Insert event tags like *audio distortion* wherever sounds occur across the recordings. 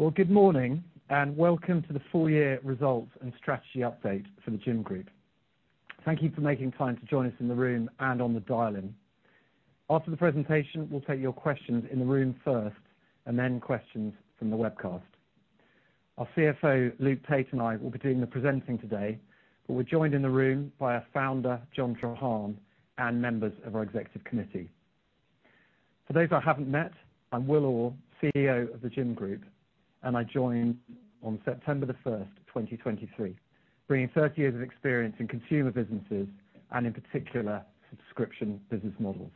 Well, good morning, and welcome to the Full Year Results and Strategy Update for The Gym Group. Thank you for making time to join us in the room and on the dial-in. After the presentation, we'll take your questions in the room first, and then questions from the webcast. Our CFO, Luke Tait, and I will be doing the presenting today, but we're joined in the room by our founder, John Treharne, and members of our executive committee. For those I haven't met, I'm Will Orr, CEO of The Gym Group, and I joined on September 1, 2023, bringing 30 years of experience in consumer businesses, and in particular, subscription business models.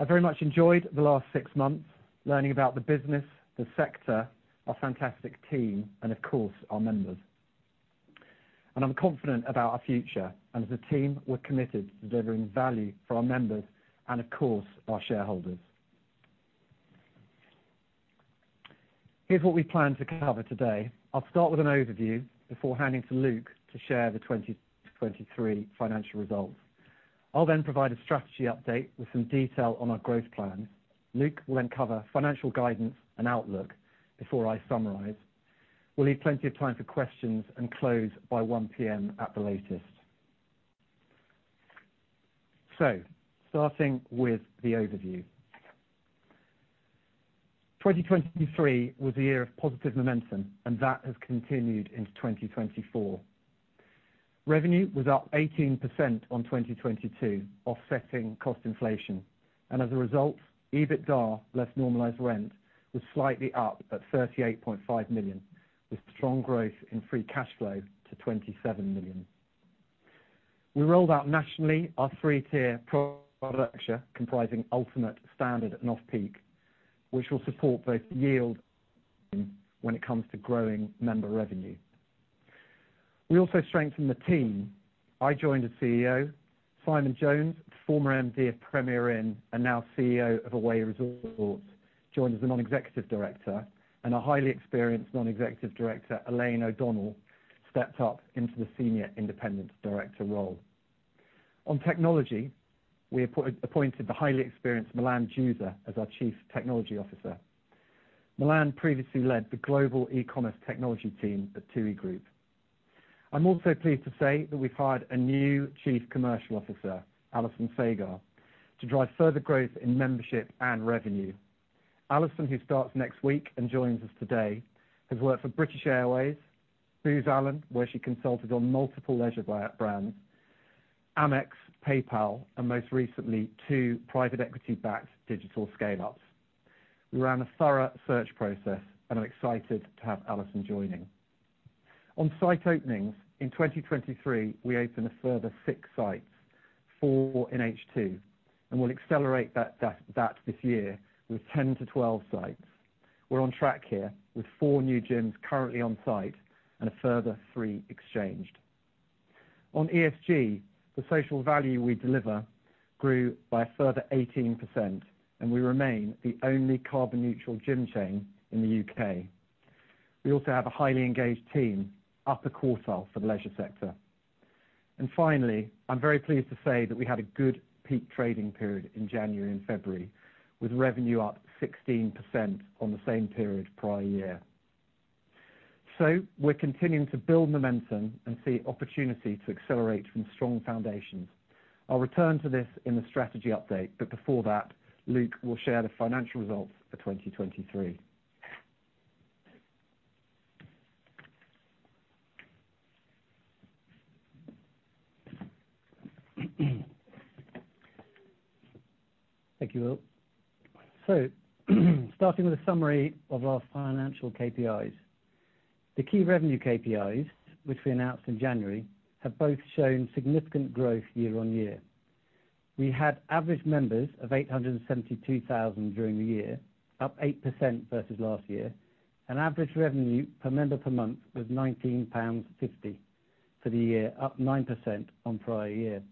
I very much enjoyed the last six months, learning about the business, the sector, our fantastic team, and of course, our members. I'm confident about our future, and as a team, we're committed to delivering value for our members and, of course, our shareholders. Here's what we plan to cover today. I'll start with an overview before handing to Luke to share the 2023 financial results. I'll then provide a strategy update with some detail on our growth plan. Luke will then cover financial guidance and outlook before I summarize. We'll leave plenty of time for questions and close by 1:00 P.M. at the latest. Starting with the overview. 2023 was a year of positive momentum, and that has continued into 2024. Revenue was up 18% on 2022, offsetting cost inflation, and as a result, EBITDA, less normalized rent, was slightly up at 38.5 million, with strong growth in free cash flow to 27 million. We rolled out nationally our three-tier proposition, comprising Ultimate, Standard and Off-Peak, which will support both yield when it comes to growing member revenue. We also strengthened the team. I joined as CEO, Simon Jones, former MD of Premier Inn, and now CEO of Away Resorts, joined as a non-executive director, and a highly experienced non-executive director, Elaine O'Donnell, stepped up into the senior independent director role. On technology, we appointed the highly experienced Milan Juza as our Chief Technology Officer. Milan previously led the global e-commerce technology team at TUI Group. I'm also pleased to say that we've hired a new Chief Commercial Officer, Alison Sagar, to drive further growth in membership and revenue. Alison, who starts next week and joins us today, has worked for British Airways, Booz Allen, where she consulted on multiple leisure brands, Amex, PayPal, and most recently, two private equity-backed digital scale-ups. We ran a thorough search process, and I'm excited to have Alison joining. On site openings in 2023, we opened a further six sites, four in H2, and we'll accelerate that this year with 10-12 sites. We're on track here, with four new gyms currently on site and a further three exchanged. On ESG, the social value we deliver grew by a further 18%, and we remain the only carbon neutral gym chain in the UK. We also have a highly engaged team, upper quartile for the leisure sector. Finally, I'm very pleased to say that we had a good peak trading period in January and February, with revenue up 16% on the same period prior year. So we're continuing to build momentum and see opportunity to accelerate from strong foundations. I'll return to this in the strategy update, but before that, Luke will share the financial results for 2023. Thank you, Will. So starting with a summary of our financial KPIs. The key revenue KPIs, which we announced in January, have both shown significant growth year-on-year. We had average members of 872,000 during the year, up 8% versus last year, and average revenue per member per month was 19.50 pounds for the year, up 9% on prior-year.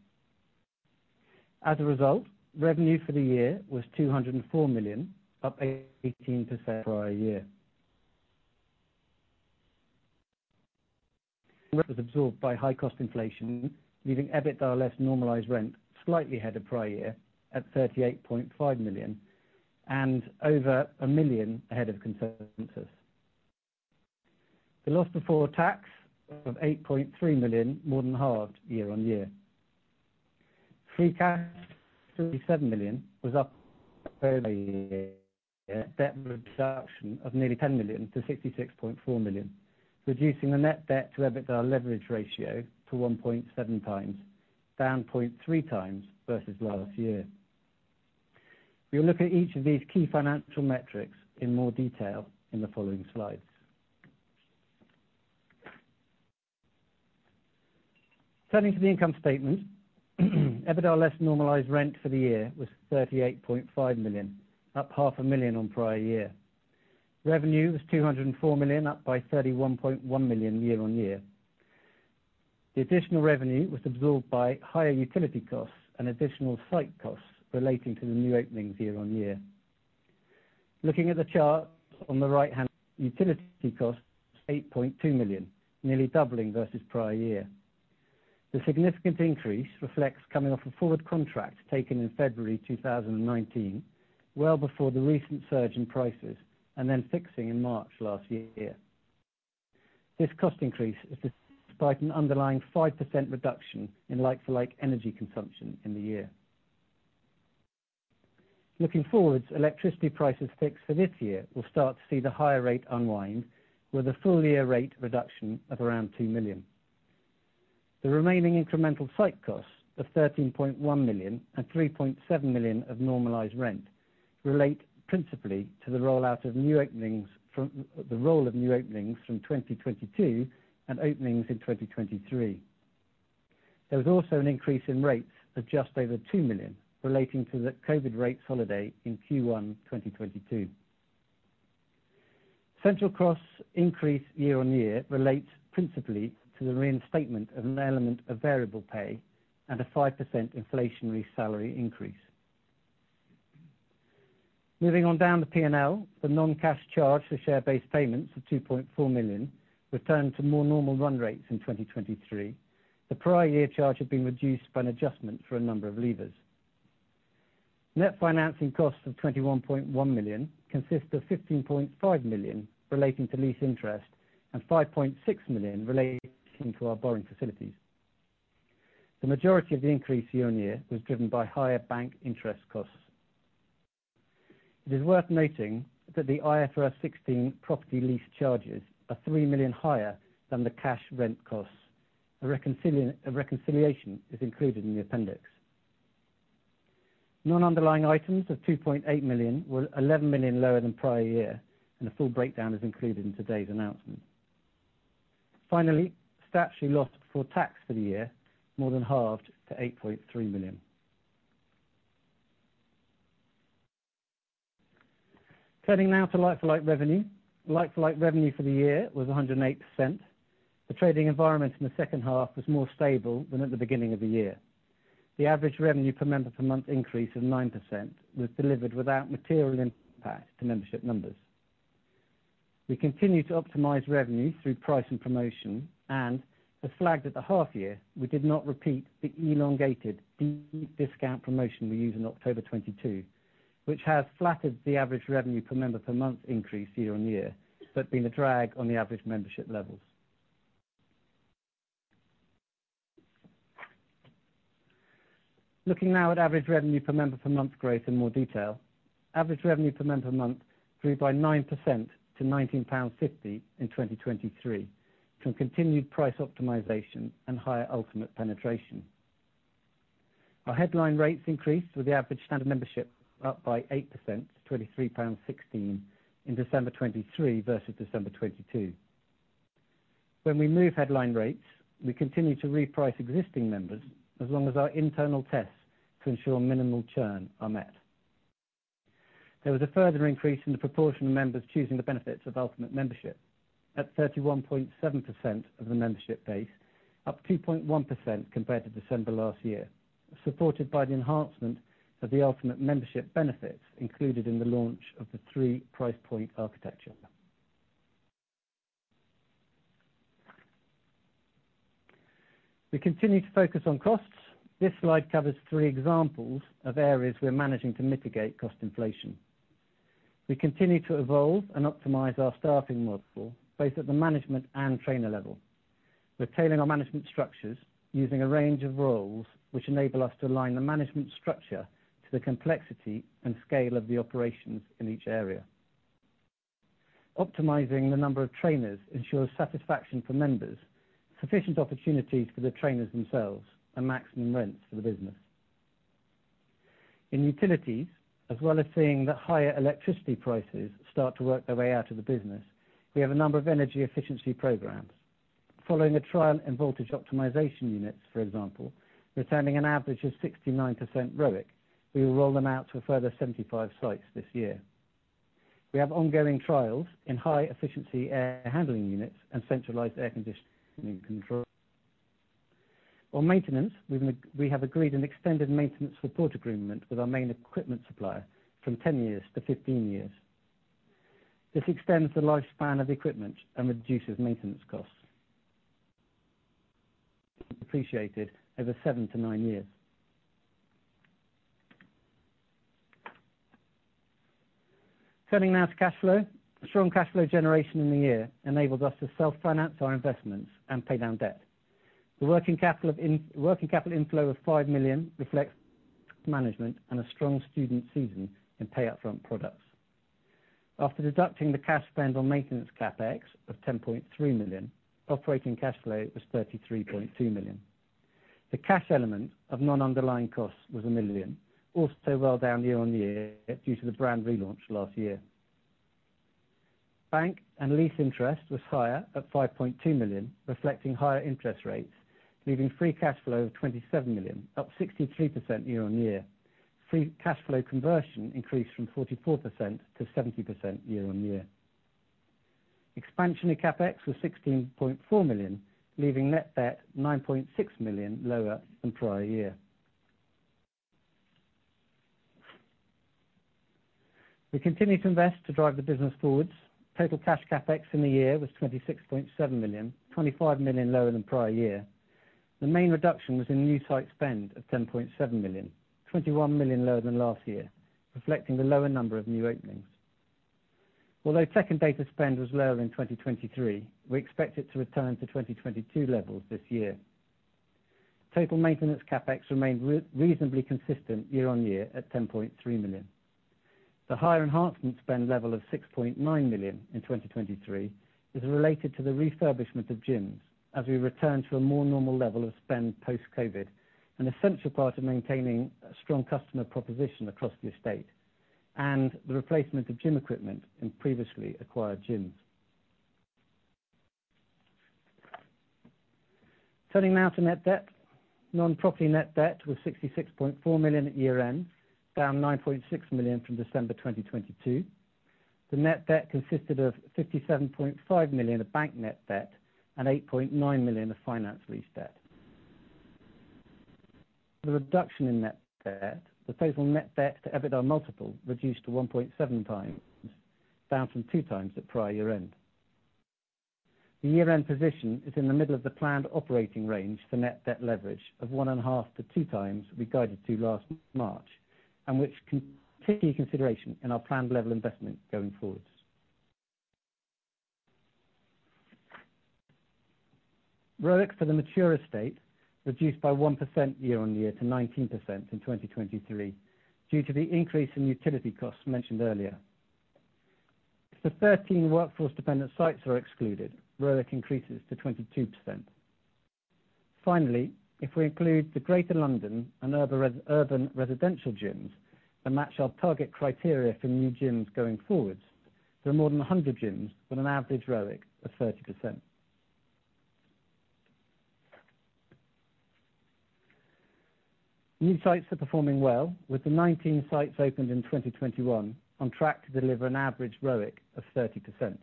As a result, revenue for the year was 204 million, up 18% prior year—was absorbed by high cost inflation, leaving EBITDA less normalized rent, slightly ahead of prior year, at 38.5 million and over 1 million ahead of consensus. The loss before tax of 8.3 million, more than halved year-on-year. Free cash, 37 million, was up. Reduction of nearly 10 million to 66.4 million, reducing the net debt to EBITDA leverage ratio to 1.7x, down 0.3x versus last year. We'll look at each of these key financial metrics in more detail in the following slides. Turning to the income statement, EBITDA less normalized rent for the year was 38.5 million, up 0.5 million on prior-year. Revenue was 204 million, up by 31.1 million year-on-year. The additional revenue was absorbed by higher utility costs and additional site costs relating to the new openings year-on-year. Looking at the chart on the right-hand, utility cost, 8.2 million, nearly doubling versus prior year. The significant increase reflects coming off a forward contract taken in February 2019, well before the recent surge in prices, and then fixing in March last year. This cost increase is despite an underlying 5% reduction in like-for-like energy consumption in the year. Looking forward, electricity prices fixed for this year will start to see the higher rate unwind, with a full year rate reduction of around 2 million. The remaining incremental site costs of 13.1 million and 3.7 million of normalized rent relate principally to the rollout of new openings from 2022 and openings in 2023. There was also an increase in rates of just over 2 million, relating to the COVID rate holiday in Q1 2022. Central cost increase year-on-year relates principally to the reinstatement of an element of variable pay and a 5% inflationary salary increase. Moving on down to P&L, the non-cash charge for share-based payments of 2.4 million returned to more normal run rates in 2023. The prior year charge had been reduced by an adjustment for a number of leavers. Net financing costs of 21.1 million consist of 15.5 million, relating to lease interest, and 5.6 million relating to our borrowing facilities. The majority of the increase year-on-year was driven by higher bank interest costs. It is worth noting that the IFRS 16 property lease charges are 3 million higher than the cash rent costs. A reconciliation is included in the appendix. Non-underlying items of 2.8 million were 11 million lower than prior year, and a full breakdown is included in today's announcement. Finally, statutory loss before tax for the year more than halved to 8.3 million. Turning now to like-for-like revenue. Like-for-like revenue for the year was 108%. The trading environment in the second half was more stable than at the beginning of the year. The average revenue per member per month increase of 9% was delivered without material impact to membership numbers. We continued to optimize revenue through price and promotion, and as flagged at the half year, we did not repeat the elongated deep discount promotion we used in October 2022, which has flattered the average revenue per member per month increase year-on-year, but been a drag on the average membership levels. Looking now at average revenue per member per month growth in more detail, average revenue per member per month grew by 9% to 19.50 pounds in 2023, from continued price optimization and higher ultimate penetration. Our headline rates increased, with the average Standard membership up by 8% to 23.16 in December 2023 versus December 2022. When we move headline rates, we continue to reprice existing members as long as our internal tests to ensure minimal churn are met. There was a further increase in the proportion of members choosing the benefits of Ultimate membership at 31.7% of the membership base, up 2.1% compared to December last year, supported by the enhancement of the Ultimate membership benefits included in the launch of the three price point architecture. We continue to focus on costs. This slide covers three examples of areas we're managing to mitigate cost inflation. We continue to evolve and optimize our staffing model, both at the management and trainer level. We're tailoring our management structures using a range of roles, which enable us to align the management structure to the complexity and scale of the operations in each area. Optimizing the number of trainers ensures satisfaction for members, sufficient opportunities for the trainers themselves, and maximum rents for the business. In utilities, as well as seeing the higher electricity prices start to work their way out of the business, we have a number of energy efficiency programs. Following a trial in voltage optimization units, for example, returning an average of 69% ROIC, we will roll them out to a further 75 sites this year. We have ongoing trials in high efficiency air handling units and centralized air conditioning control. On maintenance, we have agreed an extended maintenance support agreement with our main equipment supplier from 10 years to 15 years. This extends the lifespan of equipment and reduces maintenance costs, depreciated over seven to nine years. Turning now to cash flow. Strong cash flow generation in the year enables us to self-finance our investments and pay down debt. The working capital inflow of 5 million reflects management and a strong student season in pay up-front products. After deducting the cash spent on maintenance CapEx of 10.3 million, operating cash flow was 33.2 million. The cash element of non-underlying costs was 1 million, also well down year-on-year, due to the brand relaunch last year. Bank and lease interest was higher at 5.2 million, reflecting higher interest rates, leaving free cash flow of 27 million, up 63% year-on-year. Free cash flow conversion increased from 44% to 70% year-on-year. Expansion of CapEx was 16.4 million, leaving net debt 9.6 million lower than prior year. We continue to invest to drive the business forward. Total cash CapEx in the year was 26.7 million, 25 million lower than prior year. The main reduction was in new site spend of 10.7 million, 21 million lower than last year, reflecting the lower number of new openings. Although tech and data spend was lower in 2023, we expect it to return to 2022 levels this year. Total maintenance CapEx remained reasonably consistent year-on-year at 10.3 million. The higher enhancement spend level of 6.9 million in 2023 is related to the refurbishment of gyms as we return to a more normal level of spend post-COVID, an essential part of maintaining a strong customer proposition across the estate, and the replacement of gym equipment in previously acquired gyms. Turning now to net debt. Non-property net debt was 66.4 million at year-end, down 9.6 million from December 2022. The net debt consisted of 57.5 million of bank net debt and 8.9 million of finance lease debt. The reduction in net debt. The total net debt to EBITDA multiple reduced to 1.7x, down from 2x at prior year-end. The year-end position is in the middle of the planned operating range for net debt leverage of 1.5-2x we guided to last March, and which can take consideration in our planned level investment going forwards. ROIC for the mature estate reduced by 1% year-on-year to 19% in 2023 due to the increase in utility costs mentioned earlier. If the 13 workforce-dependent sites are excluded, ROIC increases to 22%. Finally, if we include the Greater London and urban residential gyms that match our target criteria for new gyms going forwards, there are more than 100 gyms with an average ROIC of 30%. New sites are performing well, with the 19 sites opened in 2021 on track to deliver an average ROIC of 30%.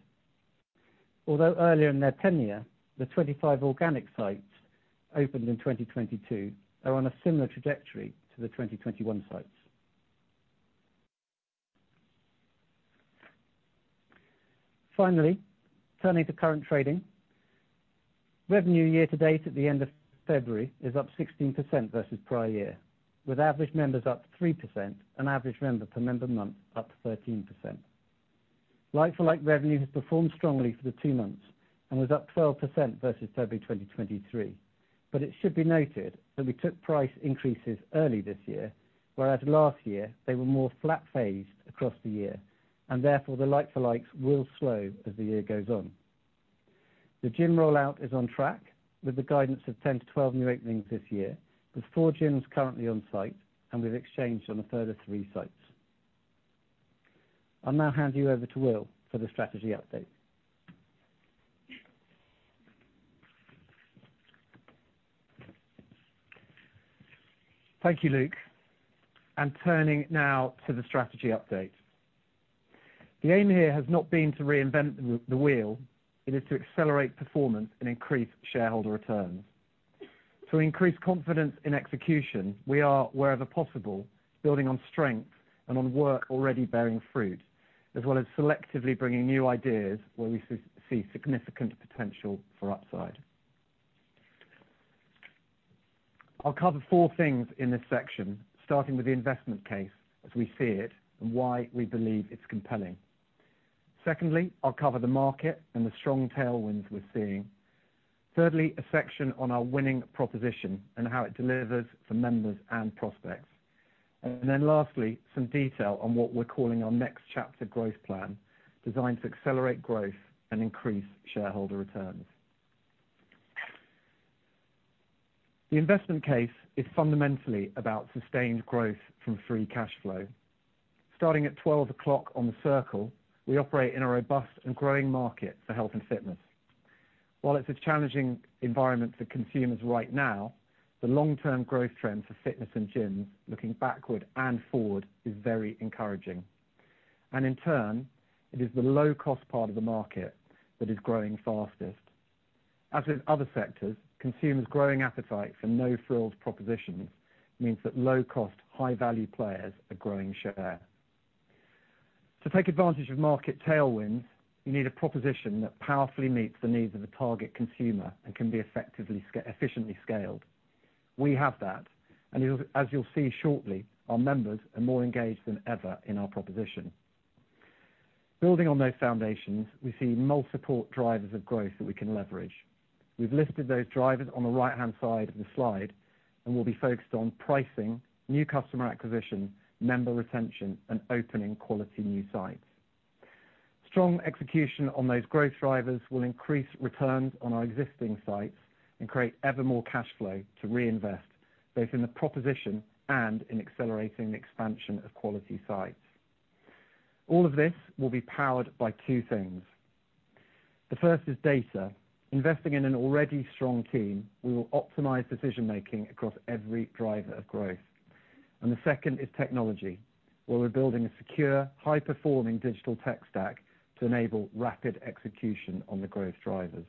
Although earlier in their tenure, the 25 organic sites opened in 2022 are on a similar trajectory to the 2021 sites. Finally, turning to current trading. Revenue year to date at the end of February is up 16% versus prior year, with average members up 3% and average member per member per month up 13%. Like-for-like revenue has performed strongly for the two months and was up 12% versus February 2023, but it should be noted that we took price increases early this year, whereas last year they were more flat phased across the year, and therefore the like-for-likes will slow as the year goes on. The gym rollout is on track, with the guidance of 10-12 new openings this year, with four gyms currently on site, and we've exchanged on a further three sites. I'll now hand you over to Will for the strategy update. Thank you, Luke. And turning now to the strategy update. The aim here has not been to reinvent the wheel, it is to accelerate performance and increase shareholder returns. To increase confidence in execution, we are, wherever possible, building on strength and on work already bearing fruit, as well as selectively bringing new ideas where we see significant potential for upside. I'll cover four things in this section, starting with the investment case as we see it and why we believe it's compelling. Secondly, I'll cover the market and the strong tailwinds we're seeing. Thirdly, a section on our winning proposition and how it delivers for members and prospects. And then lastly, some detail on what we're calling our Next Chapter growth plan, designed to accelerate growth and increase shareholder returns. The investment case is fundamentally about sustained growth from free cash flow. Starting at 12:00 P.M. on the circle, we operate in a robust and growing market for health and fitness. While it's a challenging environment for consumers right now, the long-term growth trend for fitness and gyms, looking backward and forward, is very encouraging. In turn, it is the low-cost part of the market that is growing fastest. As in other sectors, consumers' growing appetite for no-frills propositions means that low-cost, high-value players are growing share. To take advantage of market tailwinds, you need a proposition that powerfully meets the needs of a target consumer and can be efficiently scaled. We have that, and as you'll see shortly, our members are more engaged than ever in our proposition. Building on those foundations, we see multiple drivers of growth that we can leverage. We've listed those drivers on the right-hand side of the slide, and we'll be focused on pricing, new customer acquisition, member retention, and opening quality new sites. Strong execution on those growth drivers will increase returns on our existing sites and create ever more cash flow to reinvest, both in the proposition and in accelerating the expansion of quality sites. All of this will be powered by two things. The first is data. Investing in an already strong team, we will optimize decision-making across every driver of growth. The second is technology, where we're building a secure, high-performing digital tech stack to enable rapid execution on the growth drivers.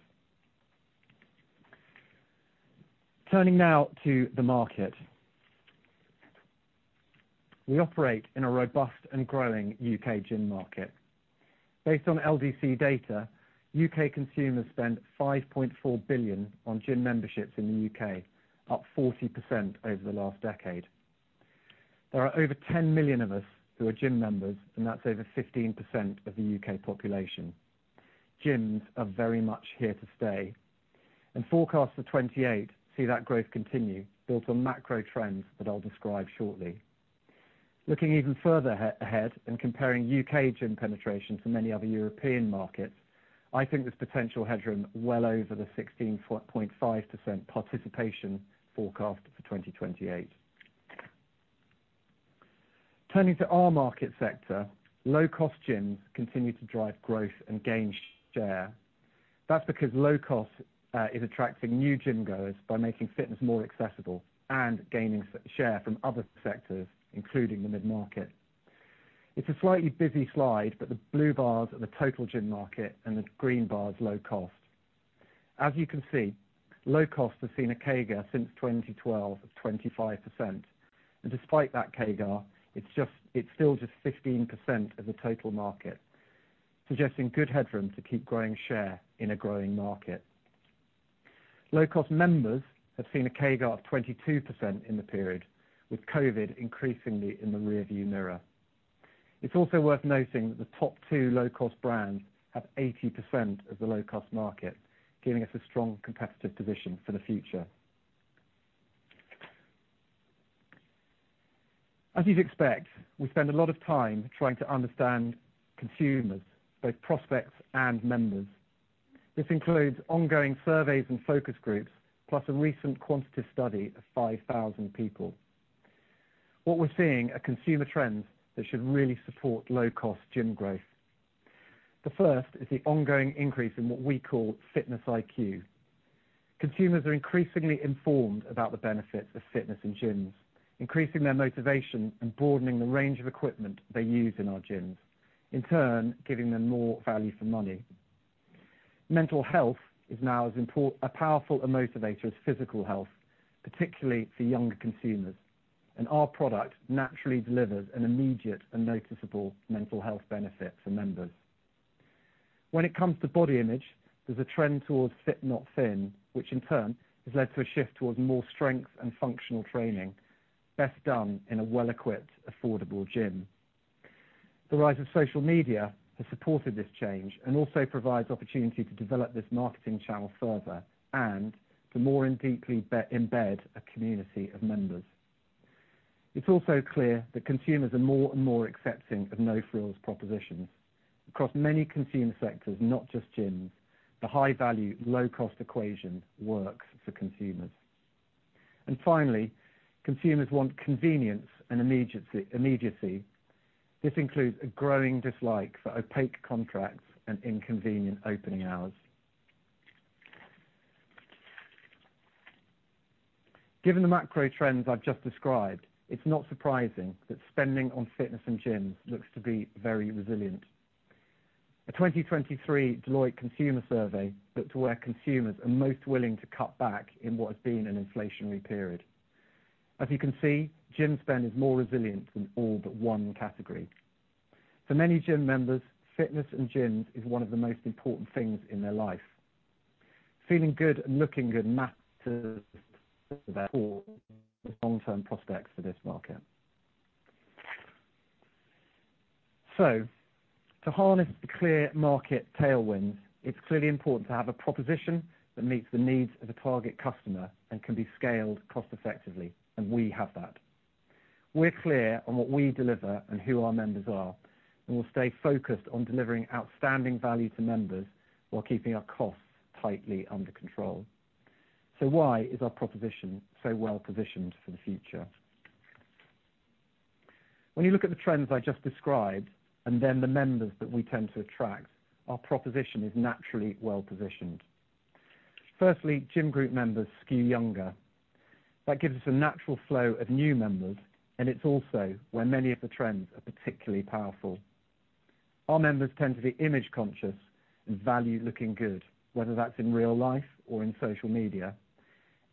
Turning now to the market. We operate in a robust and growing UK gym market. Based on LDC data, UK consumers spent 5.4 billion on gym memberships in the UK, up 40% over the last decade. There are over 10 million of us who are gym members, and that's over 15% of the UK population. Gyms are very much here to stay, and forecasts for 2028 see that growth continue, built on macro trends that I'll describe shortly. Looking even further ahead, and comparing UK gym penetration to many other European markets, I think there's potential headroom well over the 16.5% participation forecast for 2028. Turning to our market sector, low-cost gyms continue to drive growth and gain share. That's because low cost is attracting new gym goers by making fitness more accessible and gaining share from other sectors, including the mid-market. It's a slightly busy slide, but the blue bars are the total gym market and the green bar is low cost. As you can see, low-cost has seen a CAGR since 2012 of 25%, and despite that CAGR, it's just, it's still just 15% of the total market, suggesting good headroom to keep growing share in a growing market. Low-cost members have seen a CAGR of 22% in the period, with COVID increasingly in the rearview mirror. It's also worth noting that the top two low-cost brands have 80% of the low-cost market, giving us a strong competitive position for the future. As you'd expect, we spend a lot of time trying to understand consumers, both prospects and members. This includes ongoing surveys and focus groups, plus a recent quantitative study of 5,000 people. What we're seeing are consumer trends that should really support low-cost gym growth. The first is the ongoing increase in what we call fitness IQ. Consumers are increasingly informed about the benefits of fitness and gyms, increasing their motivation and broadening the range of equipment they use in our gyms, in turn, giving them more value for money. Mental health is now as powerful a motivator as physical health, particularly for younger consumers, and our product naturally delivers an immediate and noticeable mental health benefit for members. When it comes to body image, there's a trend towards fit, not thin, which in turn has led to a shift towards more strength and functional training, best done in a well-equipped, affordable gym. The rise of social media has supported this change and also provides opportunity to develop this marketing channel further and to more deeply embed a community of members. It's also clear that consumers are more and more accepting of no-frills propositions. Across many consumer sectors, not just gyms, the high-value, low-cost equation works for consumers. And finally, consumers want convenience and immediacy, immediacy. This includes a growing dislike for opaque contracts and inconvenient opening hours. Given the macro trends I've just described, it's not surprising that spending on fitness and gyms looks to be very resilient. A 2023 Deloitte consumer survey looked to where consumers are most willing to cut back in what has been an inflationary period. As you can see, gym spend is more resilient than all but one category. For many gym members, fitness and gyms is one of the most important things in their life. Feeling good and looking good matters to them. Long-term prospects for this market. So to harness the clear market tailwinds, it's clearly important to have a proposition that meets the needs of the target customer and can be scaled cost effectively, and we have that. We're clear on what we deliver and who our members are, and we'll stay focused on delivering outstanding value to members while keeping our costs tightly under control. So why is our proposition so well positioned for the future? When you look at the trends I just described, and then the members that we tend to attract, our proposition is naturally well positioned. Firstly, Gym Group members skew younger. That gives us a natural flow of new members, and it's also where many of the trends are particularly powerful. Our members tend to be image conscious and value looking good, whether that's in real life or in social media,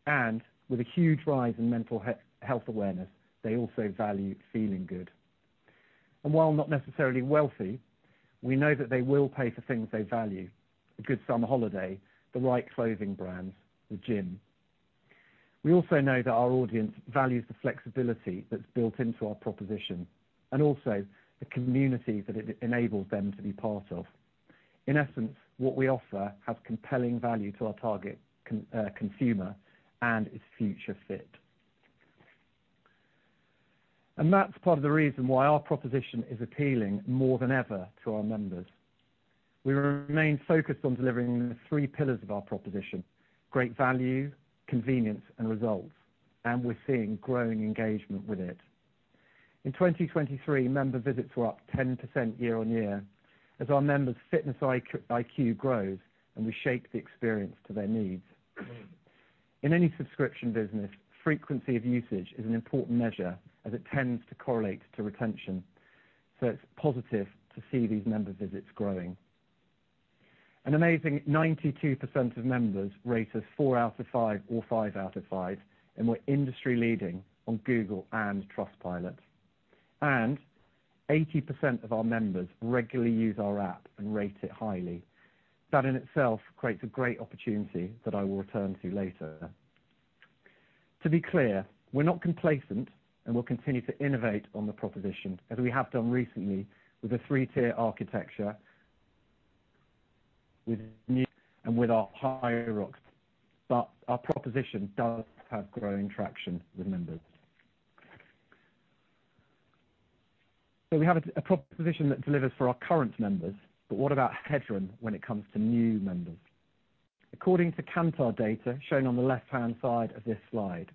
and with a huge rise in mental health awareness, they also value feeling good. And while not necessarily wealthy, we know that they will pay for things they value, a good summer holiday, the right clothing brands, the gym. We also know that our audience values the flexibility that's built into our proposition, and also the community that it enables them to be part of. In essence, what we offer has compelling value to our target consumer and is future fit. And that's part of the reason why our proposition is appealing more than ever to our members. We remain focused on delivering the three pillars of our proposition, great value, convenience, and results, and we're seeing growing engagement with it. In 2023, member visits were up 10% year on year as our members' fitness IQ grows, and we shape the experience to their needs. In any subscription business, frequency of usage is an important measure as it tends to correlate to retention, so it's positive to see these member visits growing. An amazing 92% of members rate us four out of five or five out of five, and we're industry-leading on Google and Trustpilot. Eighty percent of our members regularly use our app and rate it highly. That in itself creates a great opportunity that I will return to later. To be clear, we're not complacent, and we'll continue to innovate on the proposition, as we have done recently with a three-tier architecture, with new and with our higher tiers, but our proposition does have growing traction with members. So we have a proposition that delivers for our current members, but what about headroom when it comes to new members? According to Kantar data, shown on the left-hand side of this slide,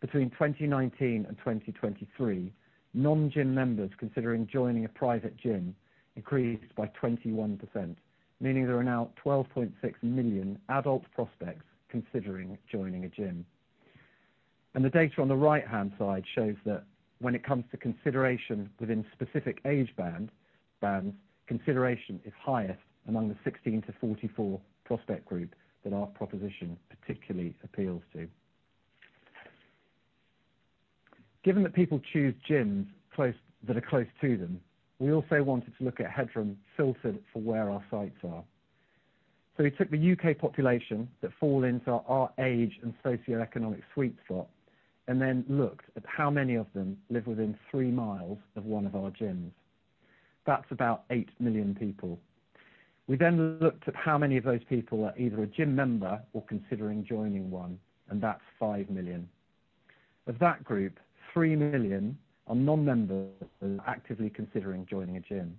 between 2019 and 2023, non-gym members considering joining a private gym increased by 21%, meaning there are now 12.6 million adult prospects considering joining a gym. The data on the right-hand side shows that when it comes to consideration within specific age bands, consideration is highest among the 16-44 prospect group that our proposition particularly appeals to. Given that people choose gyms that are close to them, we also wanted to look at headroom filtered for where our sites are. So we took the UK population that fall into our age and socioeconomic sweet spot, and then looked at how many of them live within 3 miles of one of our gyms. That's about 8 million people. We then looked at how many of those people are either a gym member or considering joining one, and that's 5 million. Of that group, 3 million are non-members who are actively considering joining a gym.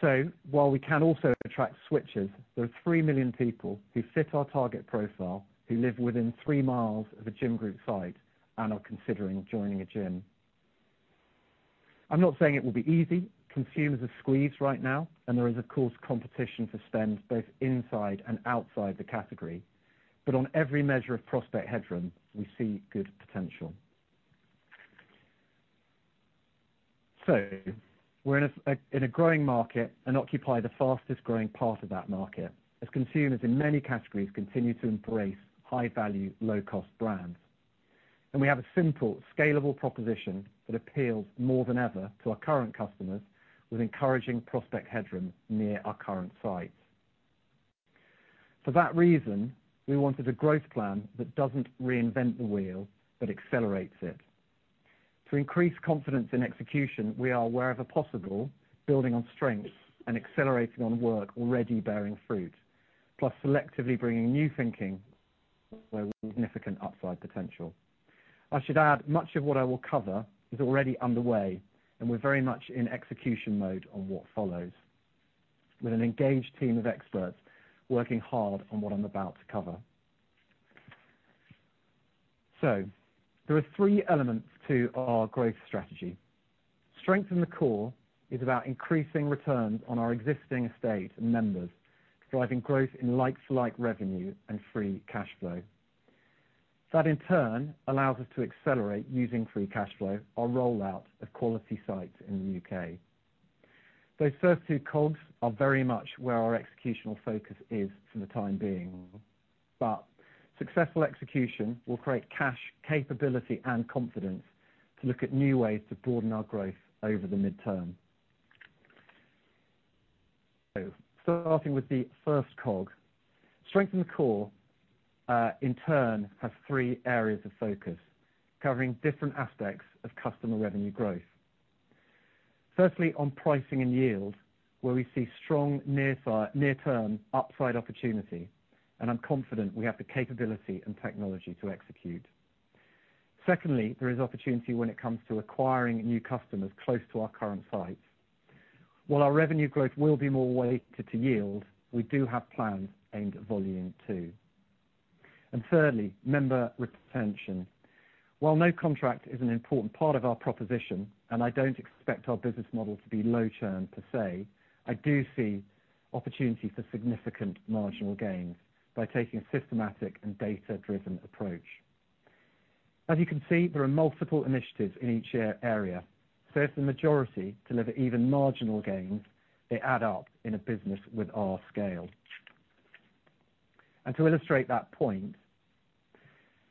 So while we can also attract switchers, there are 3 million people who fit our target profile, who live within 3 miles of a Gym Group site and are considering joining a gym. I'm not saying it will be easy. Consumers are squeezed right now, and there is, of course, competition for spend both inside and outside the category. But on every measure of prospect headroom, we see good potential. So we're in a growing market and occupy the fastest-growing part of that market, as consumers in many categories continue to embrace high-value, low-cost brands. We have a simple, scalable proposition that appeals more than ever to our current customers, with encouraging prospect headroom near our current sites. For that reason, we wanted a growth plan that doesn't reinvent the wheel but accelerates it. To increase confidence in execution, we are, wherever possible, building on strengths and accelerating on work already bearing fruit, plus selectively bringing new thinking where significant upside potential. I should add, much of what I will cover is already underway, and we're very much in execution mode on what follows, with an engaged team of experts working hard on what I'm about to cover. There are three elements to our growth strategy. Strengthen the core is about increasing returns on our existing estate and members, driving growth in like-for-like revenue and free cash flow. That, in turn, allows us to accelerate using free cash flow our rollout of quality sites in the UK. Those first two cogs are very much where our executional focus is for the time being, but successful execution will create cash, capability, and confidence to look at new ways to broaden our growth over the mid-term. So starting with the first cog, strengthen the core, in turn, has three areas of focus, covering different aspects of customer revenue growth. Firstly, on pricing and yield, where we see strong near-term upside opportunity, and I'm confident we have the capability and technology to execute. Secondly, there is opportunity when it comes to acquiring new customers close to our current sites. While our revenue growth will be more weighted to yield, we do have plans aimed at volume, too. And thirdly, member retention. While no contract is an important part of our proposition, and I don't expect our business model to be long-term, per se, I do see opportunity for significant marginal gains by taking a systematic and data-driven approach. As you can see, there are multiple initiatives in each area. So if the majority deliver even marginal gains, they add up in a business with our scale. And to illustrate that point,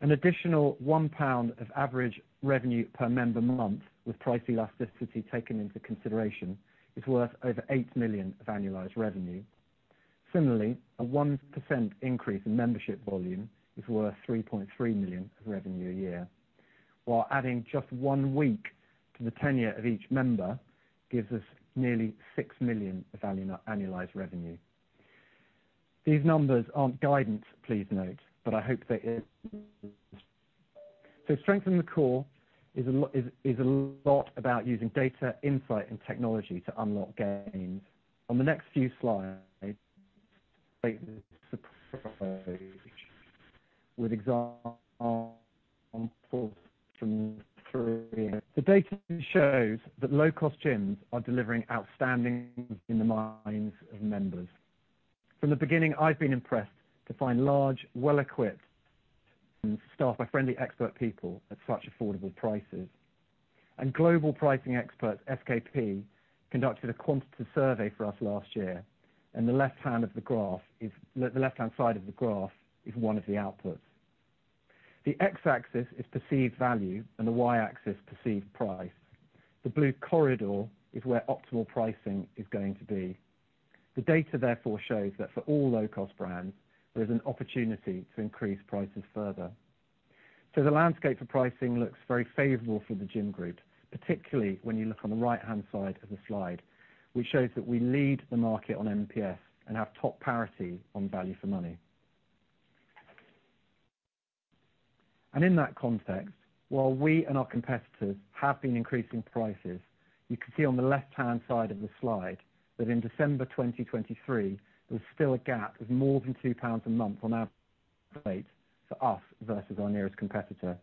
an additional 1 pound of average revenue per member month, with price elasticity taken into consideration, is worth over 8 million of annualized revenue. Similarly, a 1% increase in membership volume is worth 3.3 million of revenue a year, while adding just one week to the tenure of each member gives us nearly 6 million of annualized revenue. These numbers aren't guidance, please note, but I hope they are—so strengthening the core is a lot about using data, insight, and technology to unlock gains. On the next few slides, with examples from three—the data shows that low-cost gyms are delivering outstanding in the minds of members. From the beginning, I've been impressed to find large, well-equipped and staffed by friendly expert people at such affordable prices. And global pricing expert SKP conducted a quantitative survey for us last year, and the left-hand side of the graph is one of the outputs. The x-axis is perceived value and the y-axis perceived price. The blue corridor is where optimal pricing is going to be. The data therefore shows that for all low-cost brands, there's an opportunity to increase prices further. So the landscape for pricing looks very favorable for The Gym Group, particularly when you look on the right-hand side of the slide, which shows that we lead the market on NPS and have top parity on value for money. In that context, while we and our competitors have been increasing prices, you can see on the left-hand side of the slide that in December 2023, there was still a gap of more than 2 pounds a month on our rate for us versus our nearest competitor.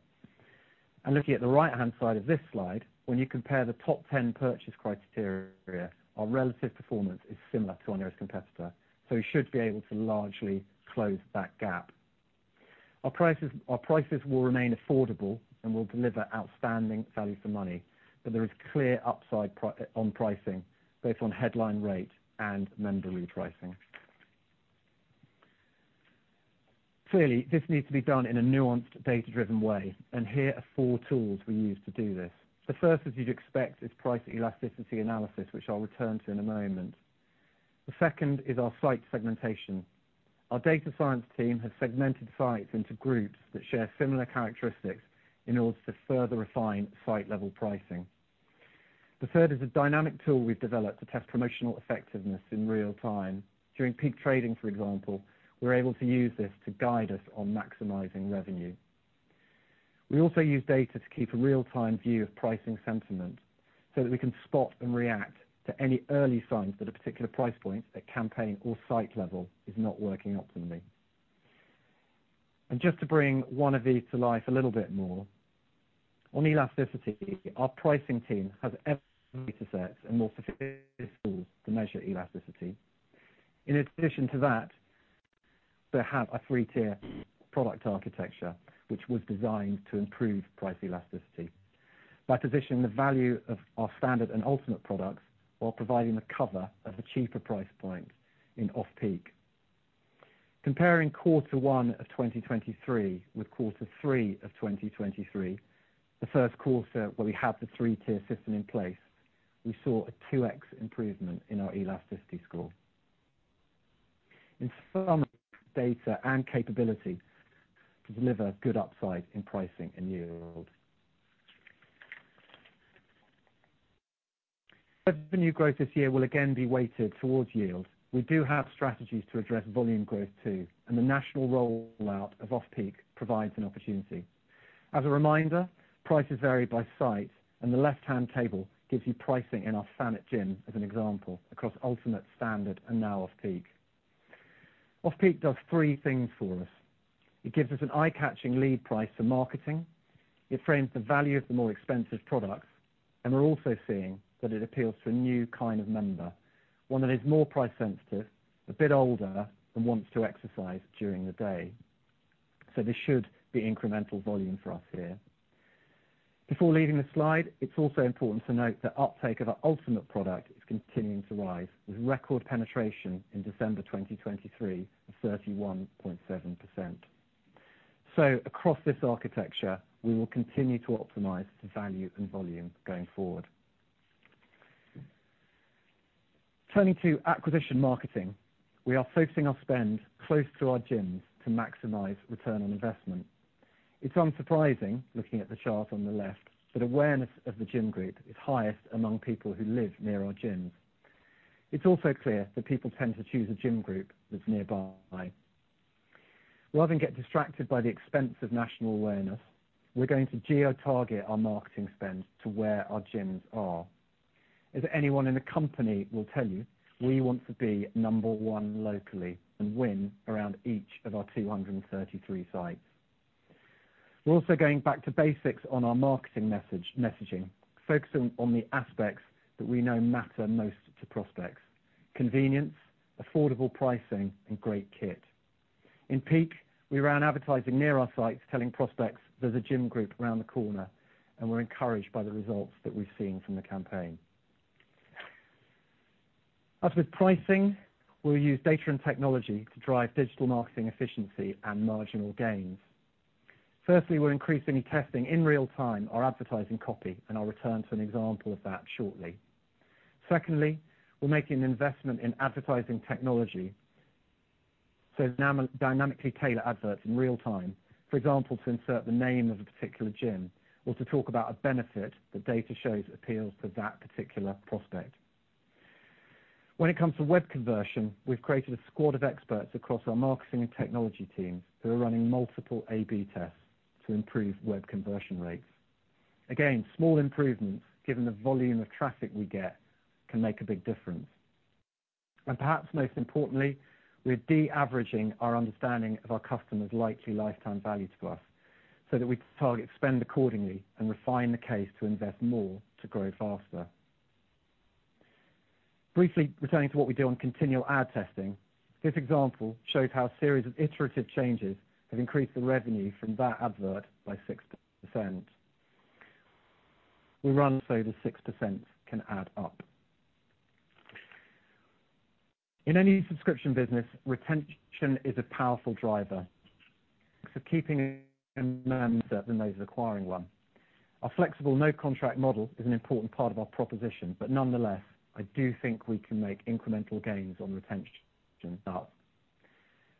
Looking at the right-hand side of this slide, when you compare the top ten purchase criteria, our relative performance is similar to our nearest competitor, so we should be able to largely close that gap. Our prices, our prices will remain affordable and will deliver outstanding value for money, but there is clear upside on pricing based on headline rate and member-led pricing. Clearly, this needs to be done in a nuanced, data-driven way, and here are four tools we use to do this. The first, as you'd expect, is price elasticity analysis, which I'll return to in a moment. The second is our site segmentation. Our data science team has segmented sites into groups that share similar characteristics in order to further refine site-level pricing. The third is a dynamic tool we've developed to test promotional effectiveness in real time. During peak trading, for example, we're able to use this to guide us on maximizing revenue. We also use data to keep a real-time view of pricing sentiment, so that we can spot and react to any early signs that a particular price point at campaign or site level is not working optimally. And just to bring one of these to life a little bit more, on elasticity, our pricing team has datasets and more sophisticated tools to measure elasticity. In addition to that, they have a three-tier product architecture, which was designed to improve price elasticity by positioning the value of our Standard and Ultimate products while providing the cover of the cheaper price point in Off-Peak. Comparing quarter one of 2023 with quarter three of 2023, the first quarter where we had the three-tier system in place, we saw a 2x improvement in our elasticity score. In some data and capability to deliver good upside in pricing and yield. Revenue growth this year will again be weighted towards yield. We do have strategies to address volume growth, too, and the national rollout of Off-Peak provides an opportunity. As a reminder, prices vary by site, and the left-hand table gives you pricing in our Thanet gym as an example, across Ultimate, Standard and now Off-Peak. Off-Peak does three things for us: It gives us an eye-catching lead price for marketing, it frames the value of the more expensive products, and we're also seeing that it appeals to a new kind of member, one that is more price sensitive, a bit older, and wants to exercise during the day. So this should be incremental volume for us here. Before leaving the slide, it's also important to note that uptake of our Ultimate product is continuing to rise, with record penetration in December 2023 of 31.7%. So across this architecture, we will continue to optimize for value and volume going forward. Turning to acquisition marketing, we are focusing our spend close to our gyms to maximize return on investment. It's unsurprising, looking at the chart on the left, that awareness of The Gym Group is highest among people who live near our gyms. It's also clear that people tend to choose a Gym Group that's nearby. Rather than get distracted by the expense of national awareness, we're going to geo-target our marketing spend to where our gyms are. As anyone in the company will tell you, we want to be number one locally and win around each of our 233 sites. We're also going back to basics on our marketing messaging, focusing on the aspects that we know matter most to prospects: convenience, affordable pricing, and great kit. In peak, we ran advertising near our sites, telling prospects there's a Gym Group around the corner, and we're encouraged by the results that we've seen from the campaign. As with pricing, we'll use data and technology to drive digital marketing efficiency and marginal gains. Firstly, we're increasingly testing in real time our advertising copy, and I'll return to an example of that shortly. Secondly, we're making an investment in advertising technology, so dynamically tailor adverts in real time. For example, to insert the name of a particular gym or to talk about a benefit that data shows appeals to that particular prospect. When it comes to web conversion, we've created a squad of experts across our marketing and technology teams who are running multiple A/B tests to improve web conversion rates. Again, small improvements, given the volume of traffic we get, can make a big difference. And perhaps most importantly, we're de-averaging our understanding of our customers' likely lifetime value to us so that we can target spend accordingly and refine the case to invest more to grow faster. Briefly returning to what we do on continual ad testing, this example shows how a series of iterative changes have increased the revenue from that advert by 6%. We run so the 6% can add up. In any subscription business, retention is a powerful driver. So keeping a member than those acquiring one. Our flexible no-contract model is an important part of our proposition, but nonetheless, I do think we can make incremental gains on retention.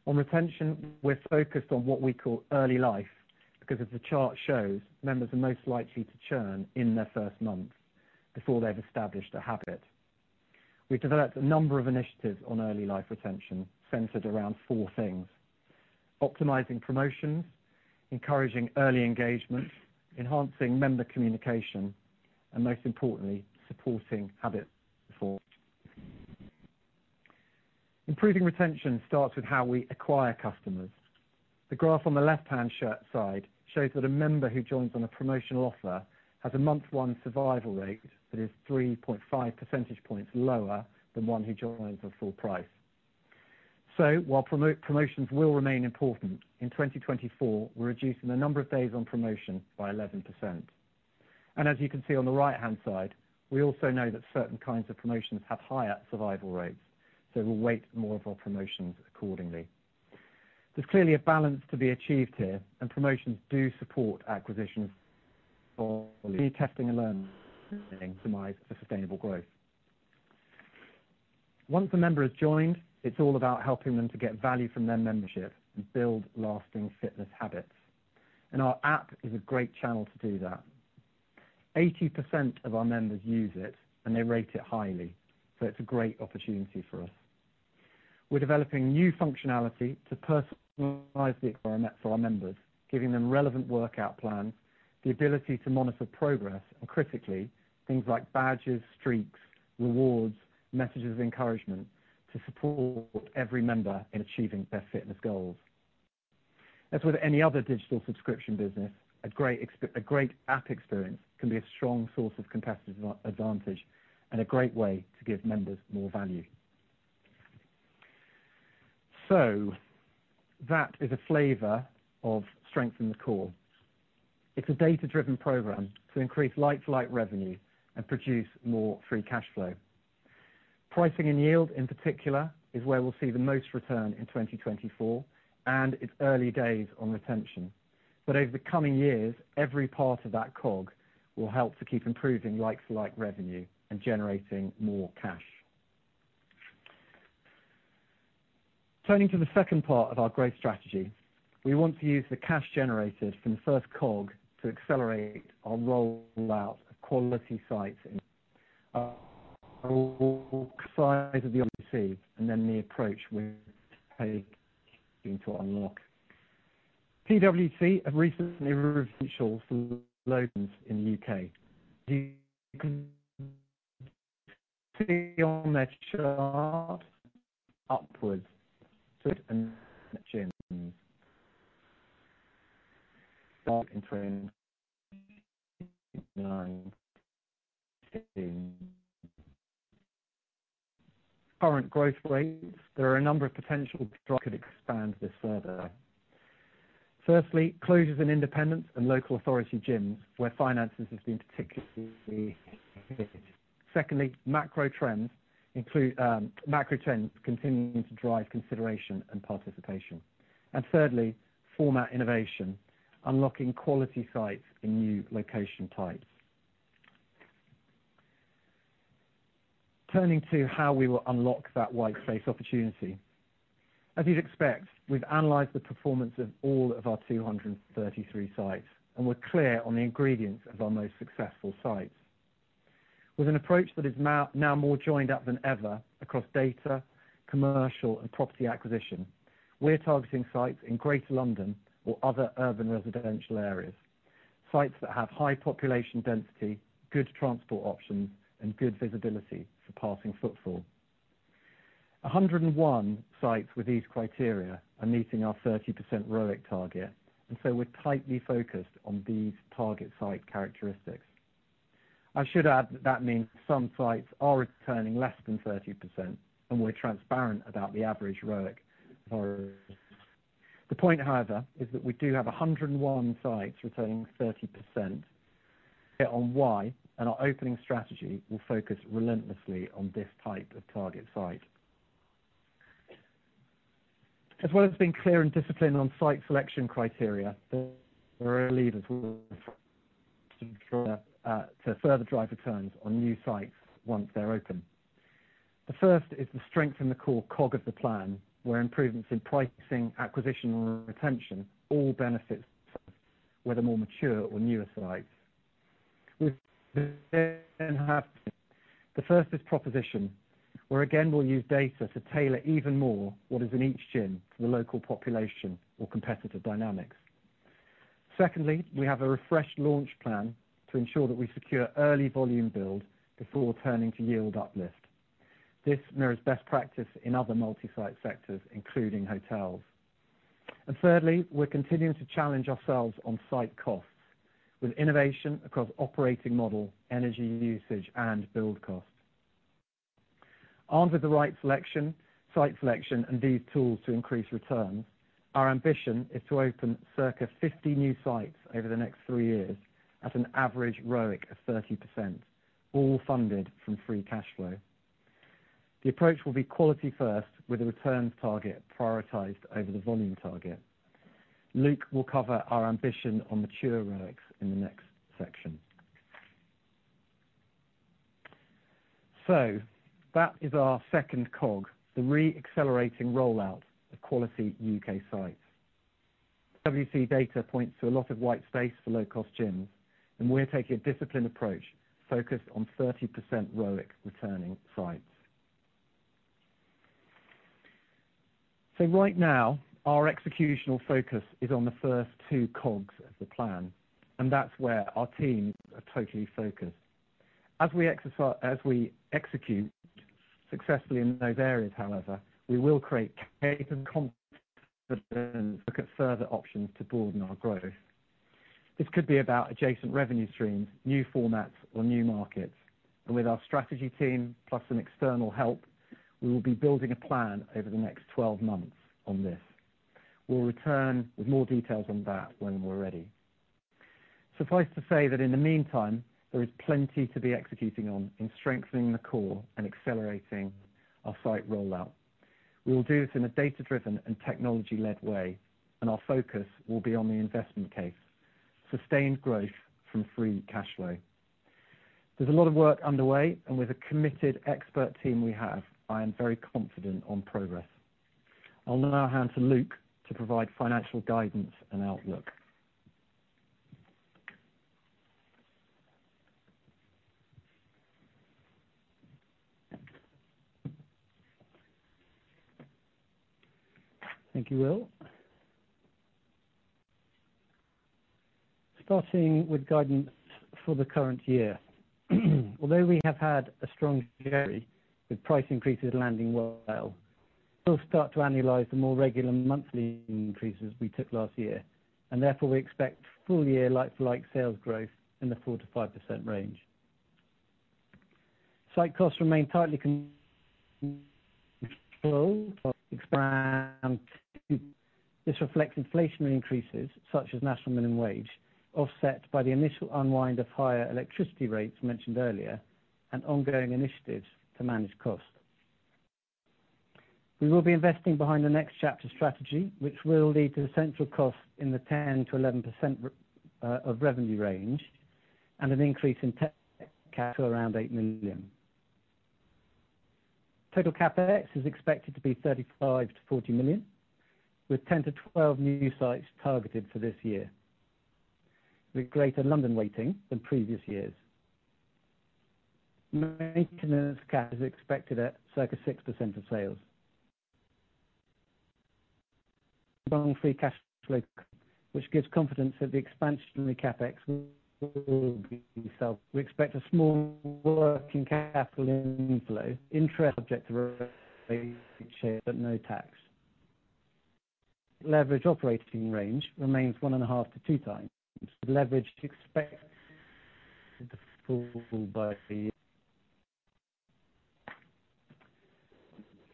On retention, we're focused on what we call early life, because as the chart shows, members are most likely to churn in their first month before they've established a habit. We've developed a number of initiatives on early life retention, centered around four things: optimizing promotions, encouraging early engagement, enhancing member communication, and most importantly, supporting habit before. Improving retention starts with how we acquire customers. The graph on the left-hand side shows that a member who joins on a promotional offer has a month one survival rate that is 3.5 percentage points lower than one who joins at full price. So while promotions will remain important, in 2024, we're reducing the number of days on promotion by 11%. And as you can see on the right-hand side, we also know that certain kinds of promotions have higher survival rates, so we'll weight more of our promotions accordingly. There's clearly a balance to be achieved here, and promotions do support acquisitions for testing and learning to aim for sustainable growth. Once a member has joined, it's all about helping them to get value from their membership and build lasting fitness habits. And our app is a great channel to do that. 80% of our members use it, and they rate it highly, so it's a great opportunity for us. We're developing new functionality to personalize the environment for our members, giving them relevant workout plans, the ability to monitor progress, and critically, things like badges, streaks, rewards, messages of encouragement to support every member in achieving their fitness goals. As with any other digital subscription business, a great app experience can be a strong source of competitive advantage and a great way to give members more value. So that is a flavor of Strengthen the Core. It's a data-driven program to increase like-for-like revenue and produce more free cash flow. Pricing and yield, in particular, is where we'll see the most return in 2024, and it's early days on retention. Over the coming years, every part of that cog will help to keep improving like-for-like revenue and generating more cash. Turning to the second part of our growth strategy, we want to use the cash generated from the first cog to accelerate our rollout of quality sites in size of the opportunity, and then the approach we're taking to unlock. PwC have recently revealed some analysis in the UK. Do you see on that chart upwards? Current growth rates, there are a number of potential drivers could expand this further. Firstly, closures in independent and local authority gyms, where finances have been particularly—secondly, macro trends include, macro trends continuing to drive consideration and participation. And thirdly, format innovation, unlocking quality sites in new location types. Turning to how we will unlock that white space opportunity. As you'd expect, we've analyzed the performance of all of our 233 sites, and we're clear on the ingredients of our most successful sites. With an approach that is now more joined up than ever across data, commercial, and property acquisition, we're targeting sites in Greater London or other urban residential areas. Sites that have high population density, good transport options, and good visibility for passing footfall. 101 sites with these criteria are meeting our 30% ROIC target, and so we're tightly focused on these target site characteristics. I should add that that means some sites are returning less than 30%, and we're transparent about the average ROIC. The point, however, is that we do have 101 sites returning 30% ROIC, and our opening strategy will focus relentlessly on this type of target site. As well as being clear and disciplined on site selection criteria, there are levers to further drive returns on new sites once they're open. The first is the Strengthen the Core cog of the plan, where improvements in pricing, acquisition, and retention all benefit, whether more mature or newer sites. The first is proposition, where again, we'll use data to tailor even more what is in each gym to the local population or competitive dynamics. Secondly, we have a refreshed launch plan to ensure that we secure early volume build before turning to yield uplift. This mirrors best practice in other multi-site sectors, including hotels. And thirdly, we're continuing to challenge ourselves on-site costs, with innovation across operating model, energy usage, and build costs. Armed with the right selection, site selection, and these tools to increase returns, our ambition is to open circa 50 new sites over the next three years at an average ROIC of 30%, all funded from free cash flow. The approach will be quality first, with a returns target prioritized over the volume target. Luke will cover our ambition on mature ROICs in the next section. So that is our second cog, the re-accelerating rollout of quality UK sites. LDC data points to a lot of white space for low-cost gyms, and we're taking a disciplined approach focused on 30% ROIC returning sites. So right now, our executional focus is on the first two cogs of the plan, and that's where our teams are totally focused. As we execute successfully in those areas, however, we will create pace and confidence and look at further options to broaden our growth. This could be about adjacent revenue streams, new formats, or new markets, and with our strategy team, plus some external help, we will be building a plan over the next 12 months on this. We'll return with more details on that when we're ready. Suffice to say that in the meantime, there is plenty to be executing on in strengthening the core and accelerating our site rollout. We will do this in a data-driven and technology-led way, and our focus will be on the investment case, sustained growth from free cash flow. There's a lot of work underway, and with a committed expert team we have, I am very confident on progress. I'll now hand to Luke to provide financial guidance and outlook. Thank you, Will. Starting with guidance for the current year, although we have had a strong carry with price increases landing well, we'll start to annualize the more regular monthly increases we took last year, and therefore, we expect full-year like-for-like sales growth in the 4%-5% range. Site costs remain tightly controlled, expanding. This reflects inflationary increases, such as National Minimum Wage, offset by the initial unwind of higher electricity rates mentioned earlier, and ongoing initiatives to manage costs. We will be investing behind the Next Chapter strategy, which will lead to central costs in the 10%-11% of revenue range and an increase in tech CapEx to around 8 million. Total CapEx is expected to be 35 million-40 million, with 10-12 new sites targeted for this year, with Greater London weighting than previous years. Maintenance CapEx is expected at circa 6% of sales. Strong free cash flow, which gives confidence that the expansion in the CapEx will be—we expect a small working capital inflow, interest subject, *audio distortion* but no tax. Leverage operating range remains 1.5-2x. Leverage is expected to fall by the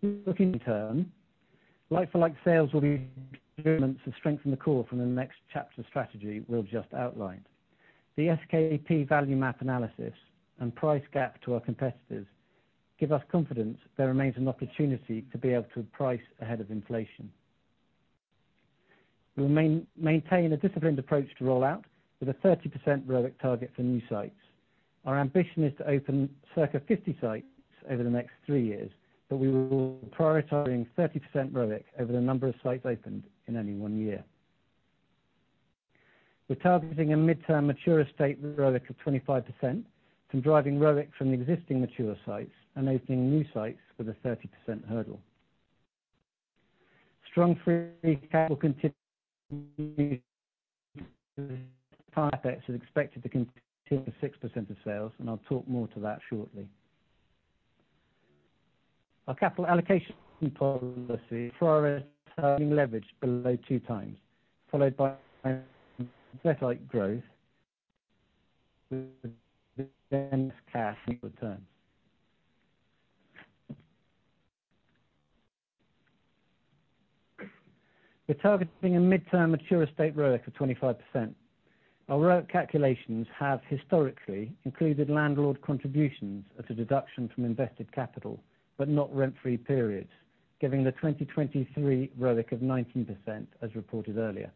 end. Looking longer term, like-for-like sales will be to strengthen the core from the Next Chapter strategy we'll just outline. The SKP value map analysis and price gap to our competitors give us confidence there remains an opportunity to be able to price ahead of inflation. We will maintain a disciplined approach to rollout with a 30% ROIC target for new sites. Our ambition is to open circa 50 sites over the next three years, but we will be prioritizing 30% ROIC over the number of sites opened in any one year. We're targeting a midterm mature estate ROIC of 25% from driving ROIC from the existing mature sites and opening new sites with a 30% hurdle. Strong free cash will continue to be expected to continue 6% of sales, and I'll talk more to that shortly. Our capital allocation policy for leverage below 2x, followed by growth return. We're targeting a midterm mature estate ROIC of 25%. Our ROIC calculations have historically included landlord contributions as a deduction from invested capital, but not rent-free periods, giving the 2023 ROIC of 19%, as reported earlier.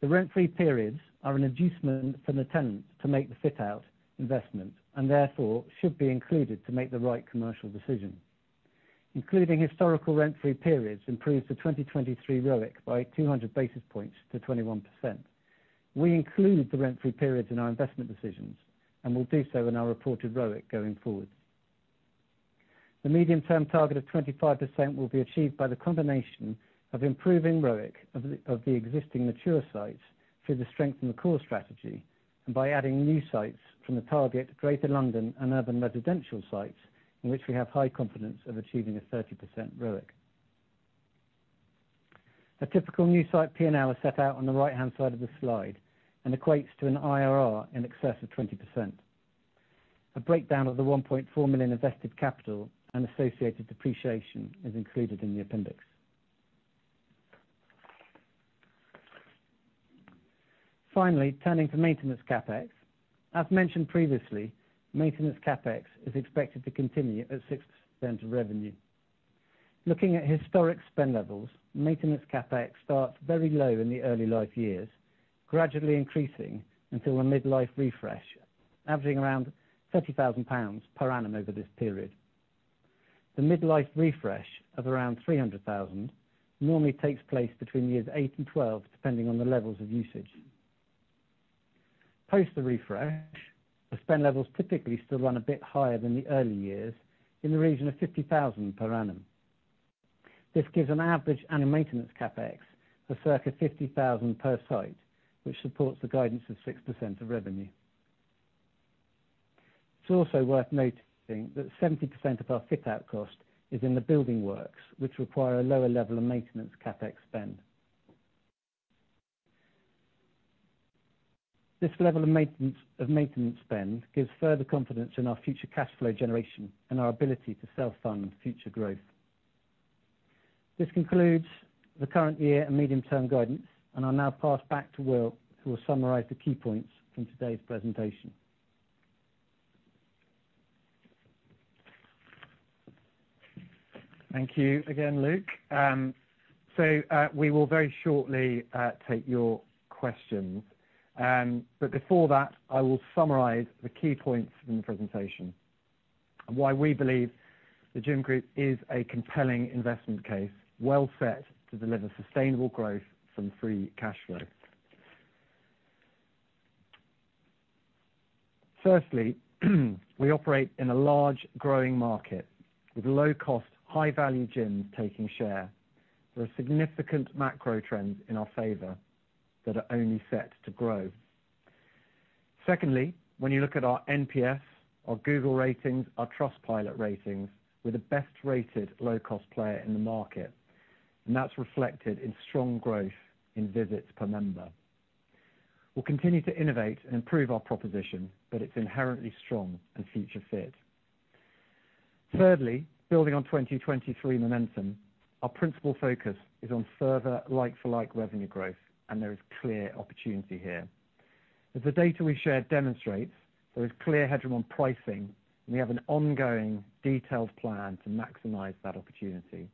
The rent-free periods are an inducement for the tenant to make the fit-out investment and therefore should be included to make the right commercial decision. Including historical rent-free periods improves the 2023 ROIC by 200 basis points to 21%. We include the rent-free periods in our investment decisions and will do so in our reported ROIC going forward. The medium-term target of 25% will be achieved by the combination of improving ROIC of the existing mature sites through strengthening the core strategy and by adding new sites from the target Greater London and urban residential sites, in which we have high confidence of achieving a 30% ROIC. A typical new site P&L is set out on the right-hand side of the slide and equates to an IRR in excess of 20%. A breakdown of the 1.4 million invested capital and associated depreciation is included in the appendix. Finally, turning to maintenance CapEx. As mentioned previously, maintenance CapEx is expected to continue at 6% of revenue. Looking at historic spend levels, maintenance CapEx starts very low in the early life years, gradually increasing until a mid-life refresh, averaging around 30,000 pounds per annum over this period. The mid-life refresh of around 300,000 normally takes place between years 8 and 12, depending on the levels of usage. Post the refresh, the spend levels typically still run a bit higher than the early years in the region of 50,000 per annum. This gives an average annual maintenance CapEx of circa 50,000 per site, which supports the guidance of 6% of revenue. It's also worth noting that 70% of our fit-out cost is in the building works, which require a lower level of maintenance CapEx spend. This level of maintenance spend gives further confidence in our future cash flow generation and our ability to self-fund future growth. This concludes the current year and medium-term guidance, and I'll now pass back to Will, who will summarize the key points from today's presentation. Thank you again, Luke. So, we will very shortly take your questions. But before that, I will summarize the key points from the presentation and why we believe The Gym Group is a compelling investment case, well set to deliver sustainable growth from free cash flow. Firstly, we operate in a large, growing market with low-cost, high-value gyms taking share. There are significant macro trends in our favor that are only set to grow. Secondly, when you look at our NPS, our Google ratings, our Trustpilot ratings, we're the best-rated low-cost player in the market, and that's reflected in strong growth in visits per member. We'll continue to innovate and improve our proposition, but it's inherently strong and future fit. Thirdly, building on 2023 momentum, our principal focus is on further like-for-like revenue growth, and there is clear opportunity here. As the data we shared demonstrates, there is clear headroom on pricing, and we have an ongoing detailed plan to maximize that opportunity.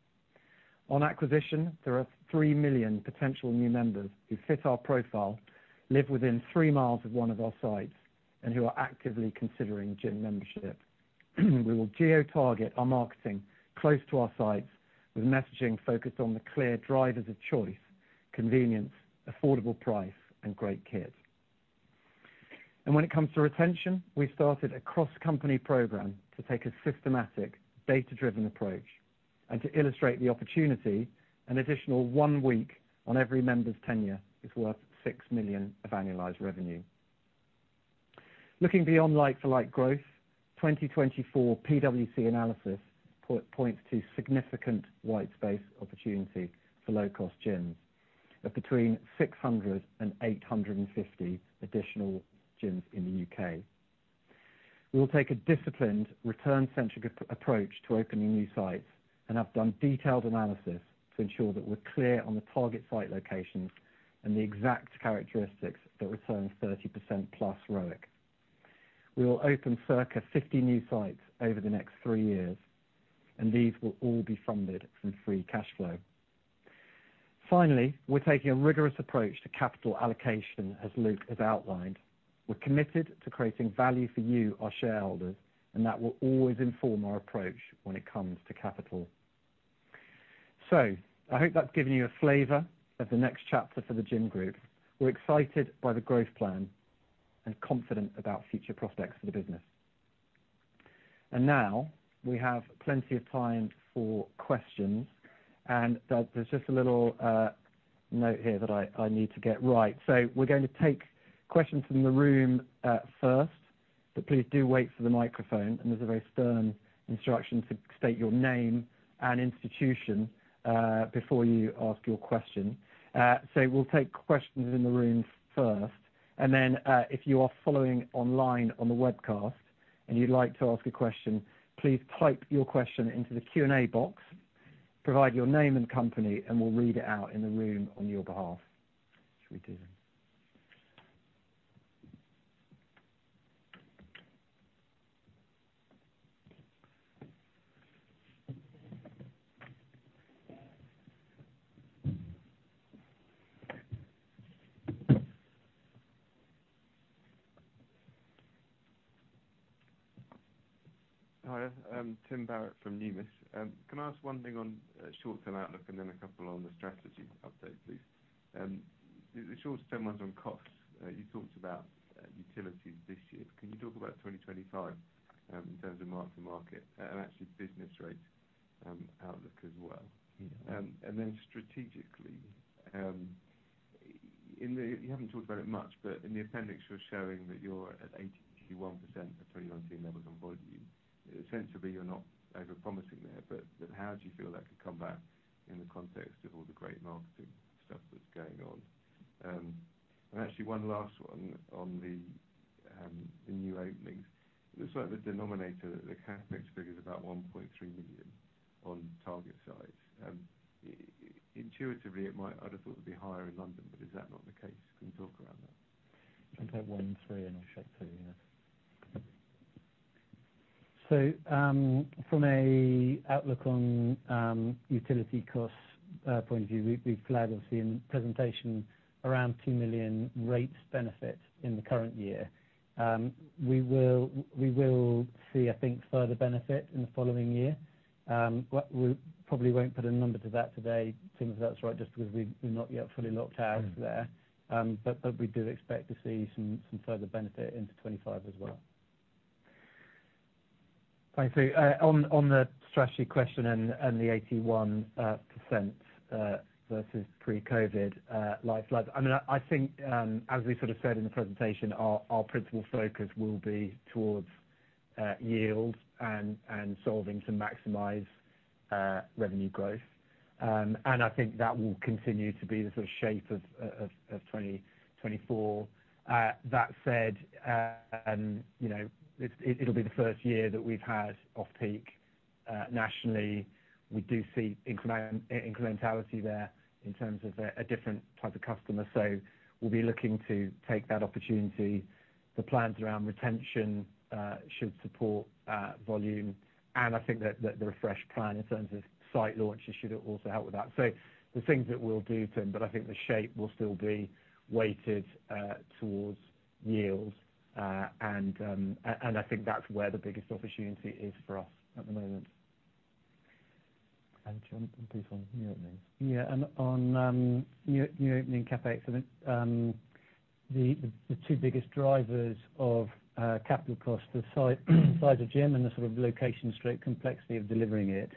On acquisition, there are 3 million potential new members who fit our profile, live within 3 miles of one of our sites, and who are actively considering gym membership. We will geo-target our marketing close to our sites, with messaging focused on the clear drivers of choice, convenience, affordable price, and great kit. When it comes to retention, we've started a cross-company program to take a systematic, data-driven approach. To illustrate the opportunity, an additional one week on every member's tenure is worth 6 million of annualized revenue. Looking beyond like-for-like growth, 2024 PwC analysis points to significant white space opportunity for low-cost gyms of between 600 and 850 additional gyms in the UK. We will take a disciplined, return-centric approach to opening new sites and have done detailed analysis to ensure that we're clear on the target site locations and the exact characteristics that return 30%+ ROIC. We will open circa 50 new sites over the next three years, and these will all be funded from free cash flow. Finally, we're taking a rigorous approach to capital allocation, as Luke has outlined. We're committed to creating value for you, our shareholders, and that will always inform our approach when it comes to capital. So I hope that's given you a flavor of the Next Chapter for The Gym Group. We're excited by the growth plan and confident about future prospects for the business. And now, we have plenty of time for questions. And there, there's just a little note here that I need to get right. So we're going to take questions from the room, first, but please do wait for the microphone, and there's a very stern instruction to state your name and institution, before you ask your question. So we'll take questions in the room first, and then, if you are following online on the webcast and you'd like to ask a question, please type your question into the Q&A box, provide your name and company, and we'll read it out in the room on your behalf. Should we do that? Hi, Tim Barrett from Numis. Can I ask one thing on short-term outlook and then a couple on the strategy update, please? The short-term one's on costs. You talked about utilities this year. Can you talk about 2025 in terms of mark to market and actually business rates? Andoutlook as well. Yeah. And then strategically, in the, you haven't talked about it much, but in the appendix, you're showing that you're at 81% of 2019 levels on volume. Sensibly, you're not over-promising there, but, but how do you feel that could come back in the context of all the great marketing stuff that's going on? And actually, one last one on the new openings. The sort of the denominator, the CapEx figure is about 1.3 million on target size. Intuitively, it might, I'd have thought it'd be higher in London, but is that not the case? Can you talk around that? I'll take one, three, and I'll check two, yeah. So, from a outlook on utility costs point of view, we've gladly seen presentation around 2 million rates benefit in the current year. We will, we will see, I think, further benefit in the following year. But we probably won't put a number to that today, Tim, if that's right, just because we've, we've not yet fully locked out there. But, but we do expect to see some, some further benefit into 2025 as well. Thanks, Tim. On the strategy question and the 81% versus pre-COVID life. I mean, I think, as we sort of said in the presentation, our principal focus will be towards yield and solving to maximize revenue growth. And I think that will continue to be the sort of shape of 2024. That said, you know, it'll be the first year that we've had Off-Peak nationally. We do see incrementality there in terms of a different type of customer. So we'll be looking to take that opportunity. The plans around retention should support volume. And I think that the refreshed plan in terms of site launches should also help with that. So the things that we'll do, Tim, but I think the shape will still be weighted toward yield. I think that's where the biggest opportunity is for us at the moment. And Tim, please, on new openings. Yeah, and on new opening CapEx, I think, the two biggest drivers of capital costs, the size of gym and the sort of location/site complexity of delivering it.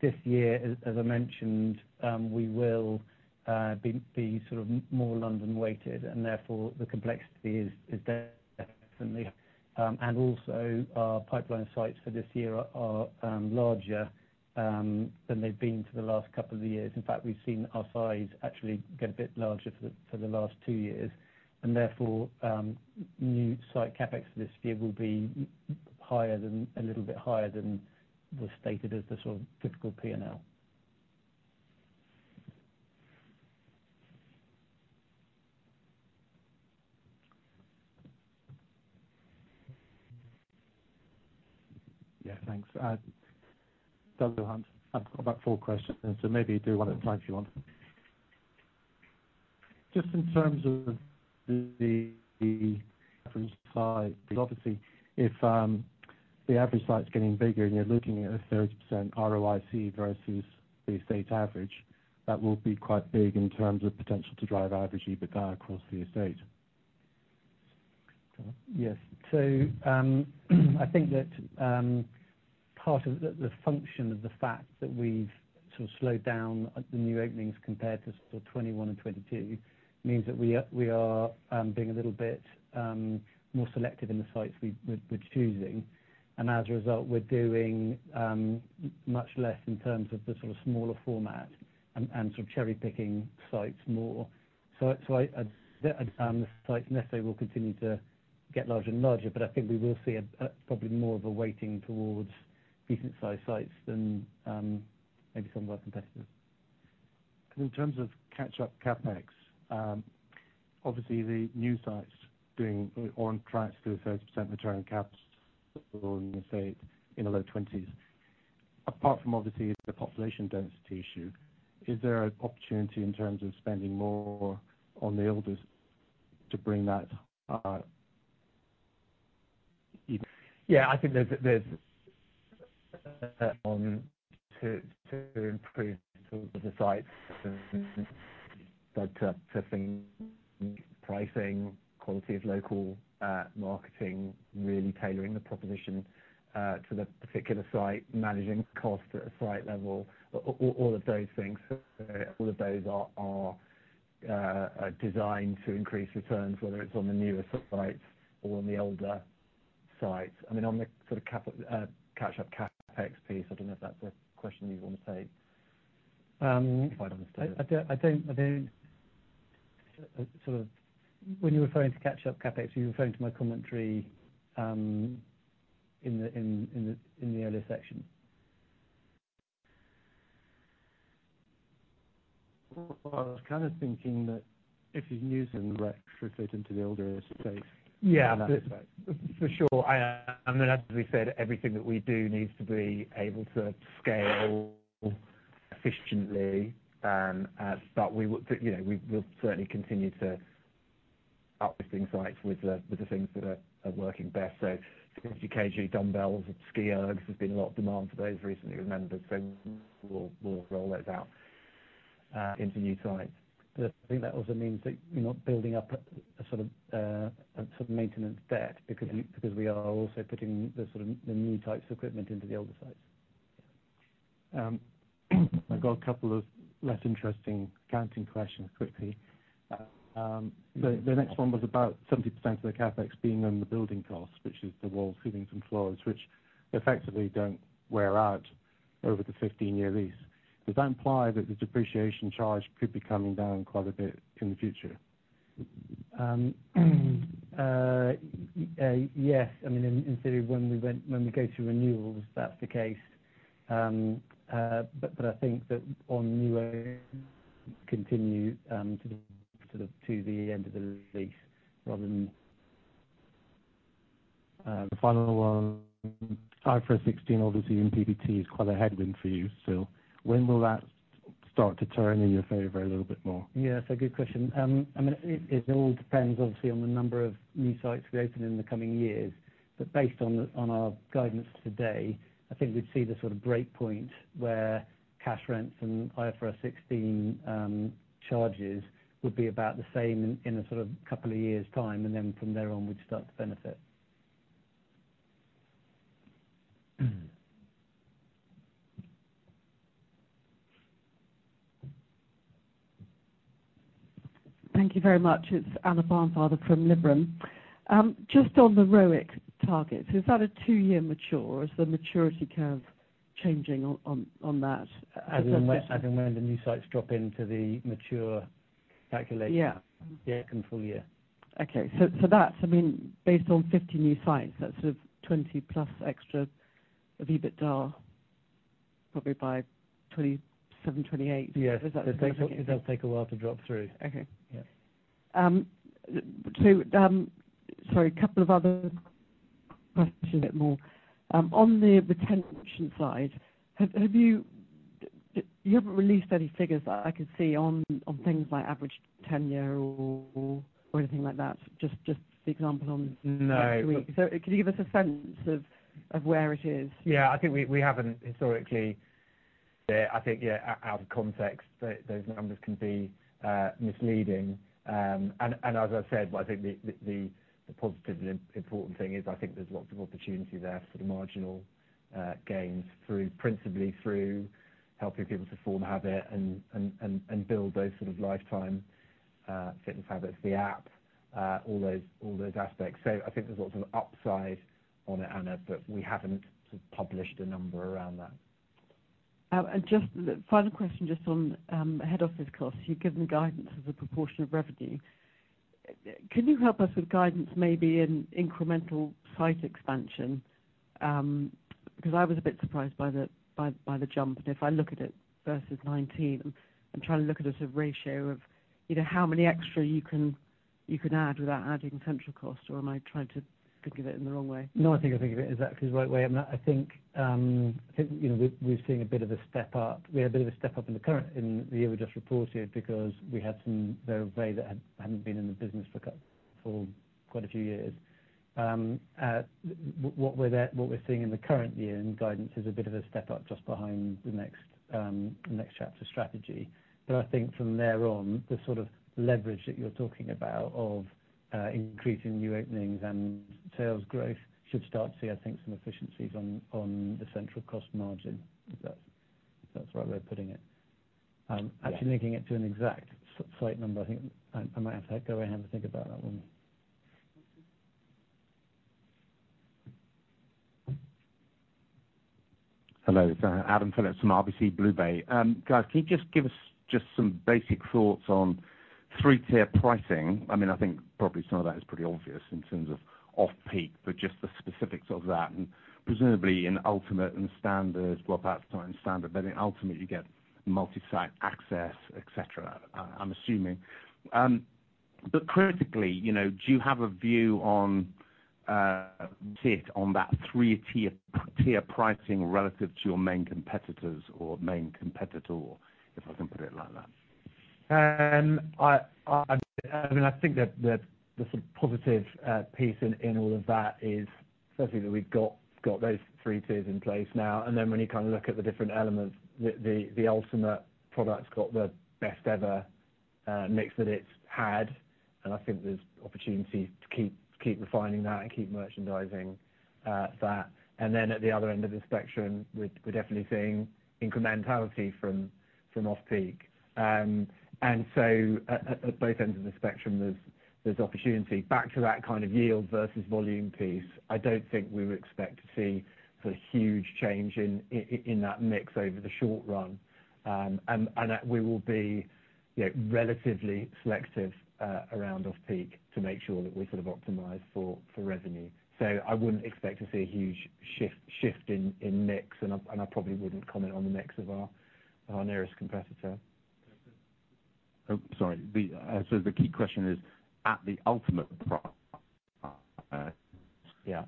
This year, as I mentioned, we will be sort of more London weighted, and therefore, the complexity is definitely, and also our pipeline sites for this year are larger than they've been for the last couple of years. In fact, we've seen our size actually get a bit larger for the last two years, and therefore, new site CapEx for this year will be higher than, a little bit higher than was stated as the sort of typical P&L. Yeah, thanks. I've got about four questions, and so maybe do one at a time if you want. Just in terms of the different sites, obviously, if the average site is getting bigger and you're looking at a 30% ROIC versus the estate average, that will be quite big in terms of potential to drive average EBITDA across the estate. Yes. So, I think that part of the function of the fact that we've sort of slowed down the new openings compared to sort of 2021 and 2022 means that we are being a little bit more selective in the sites we're choosing. And as a result, we're doing much less in terms of the sort of smaller format and sort of cherry-picking sites more. So, the sites necessarily will continue to get larger and larger, but I think we will see probably more of a weighting towards decent-sized sites than maybe some of our competitors. In terms of catch-up CapEx, obviously the new sites doing or on track to do a 30% return on CapEx, or you say in the low 20s. Apart from obviously the population density issue, is there an opportunity in terms of spending more on the oldest to bring that— Yeah, I think there's to improve the sites, but to think pricing, quality of local marketing, really tailoring the proposition to the particular site, managing costs at a site level, all of those things. All of those are designed to increase returns, whether it's on the newer sites or on the older sites. I mean, on the sort of capital catch-up CapEx piece, I don't know if that's a question you'd want to take, if I understand. I don't—sort of when you're referring to catch-up CapEx, are you referring to my commentary in the earlier section? Well, I was kind of thinking that if you're using retrofit into the older estate— Yeah, for sure. I mean, as we said, everything that we do needs to be able to scale efficiently, but we would, you know, we will certainly continue to output these sites with the things that are working best. So 50 kg dumbbells and SkiErgs, there's been a lot of demand for those recently with members, so we'll roll those out into new sites. But I think that also means that you're not building up a sort of maintenance debt because we are also putting the sort of new types of equipment into the older sites. I've got a couple of less interesting accounting questions quickly. The next one was about 70% of the CapEx being on the building costs, which is the walls, ceilings, and floors, which effectively don't wear out over the 15-year lease. Does that imply that the depreciation charge could be coming down quite a bit in the future? Yes. I mean, in theory, when we go through renewals, that's the case. But I think that on new continue to the sort of to the end of the lease rather than— The final one, IFRS 16, obviously, in PBT is quite a headwind for you, so when will that start to turn in your favor a little bit more? Yeah, it's a good question. I mean, it all depends obviously, on the number of new sites we open in the coming years. But based on our guidance today, I think we'd see the sort of breakpoint where cash rents and IFRS 16 charges would be about the same in a sort of couple of years' time, and then from there on, we'd start to benefit. Thank you very much. It's Anna Barnfather from Liberum. Just on the ROIC targets, is that a two-year mature, or is the maturity curve changing on that? As and when, as and when the new sites drop into the mature calculation— Yeah. Yeah, in full year. Okay. So that's, I mean, based on 50 new sites, that's sort of 20+ extra EBITDA, probably by 2027, 2028. Yes. Is that— It does take a while to drop through. Okay. Yeah. So, sorry, a couple of other questions, a bit more. On the retention side, have you—you haven't released any figures that I could see on things like average tenure or anything like that, just the example on— No. Could you give us a sense of where it is? Yeah. I think we, we haven't historically, I think, yeah, out, out of context, those, those numbers can be, misleading. And, and as I've said, I think the, the, the positive and important thing is, I think there's lots of opportunity there for the marginal, gains through, principally through helping people to form habit and, and, and, and build those sort of lifetime, fitness habits, the app, all those, all those aspects. So I think there's lots of upside on it, Anna, but we haven't sort of published a number around that. Just the final question, just on head office costs. You've given guidance as a proportion of revenue. Can you help us with guidance, maybe in incremental site expansion? Because I was a bit surprised by the jump, and if I look at it versus 2019, I'm trying to look at a sort of ratio of, you know, how many extra you can add without adding central cost, or am I trying to think of it in the wrong way? No, I think you're thinking of it in exactly the right way. I mean, I think, I think, you know, we've seen a bit of a step up. We had a bit of a step up in the current, in the year we just reported because we had some vacancies that had, hadn't been in the business for quite a few years. What we're seeing in the current year in guidance is a bit of a step up just behind the Next Chapter strategy. But I think from there on, the sort of leverage that you're talking about of increasing new openings and sales growth should start to see, I think, some efficiencies on the central cost margin. If that's the right way of putting it. Yeah. Actually, linking it to an exact site number, I think I might have to go away and have a think about that one. Okay. Hello, it's Adam Phillips from RBC BlueBay. Guys, can you just give us just some basic thoughts on three-tier pricing? I mean, I think probably some of that is pretty obvious in terms of Off-Peak, but just the specifics of that, and presumably in Ultimate and Standard, well, perhaps not in Standard, but in Ultimate you get multi-site access, et cetera, I'm assuming. But critically, you know, do you have a view on take on that three-tier, tier pricing relative to your main competitors or main competitor, if I can put it like that? I mean, I think that the sort of positive piece in all of that is firstly, that we've got those three tiers in place now, and then when you kind of look at the different elements, the Ultimate product's got the best ever mix that it's had, and I think there's opportunity to keep refining that and keep merchandising that. And then at the other end of the spectrum, we're definitely seeing incrementality from Off-Peak. And so at both ends of the spectrum, there's opportunity. Back to that kind of yield versus volume piece, I don't think we would expect to see a huge change in that mix over the short run. and we will be, you know, relatively selective around Off-Peak to make sure that we're sort of optimized for revenue. So I wouldn't expect to see a huge shift in mix, and I probably wouldn't comment on the mix of our nearest competitor. Oh, sorry. So the key question is, at the Ultimate price. Yeah.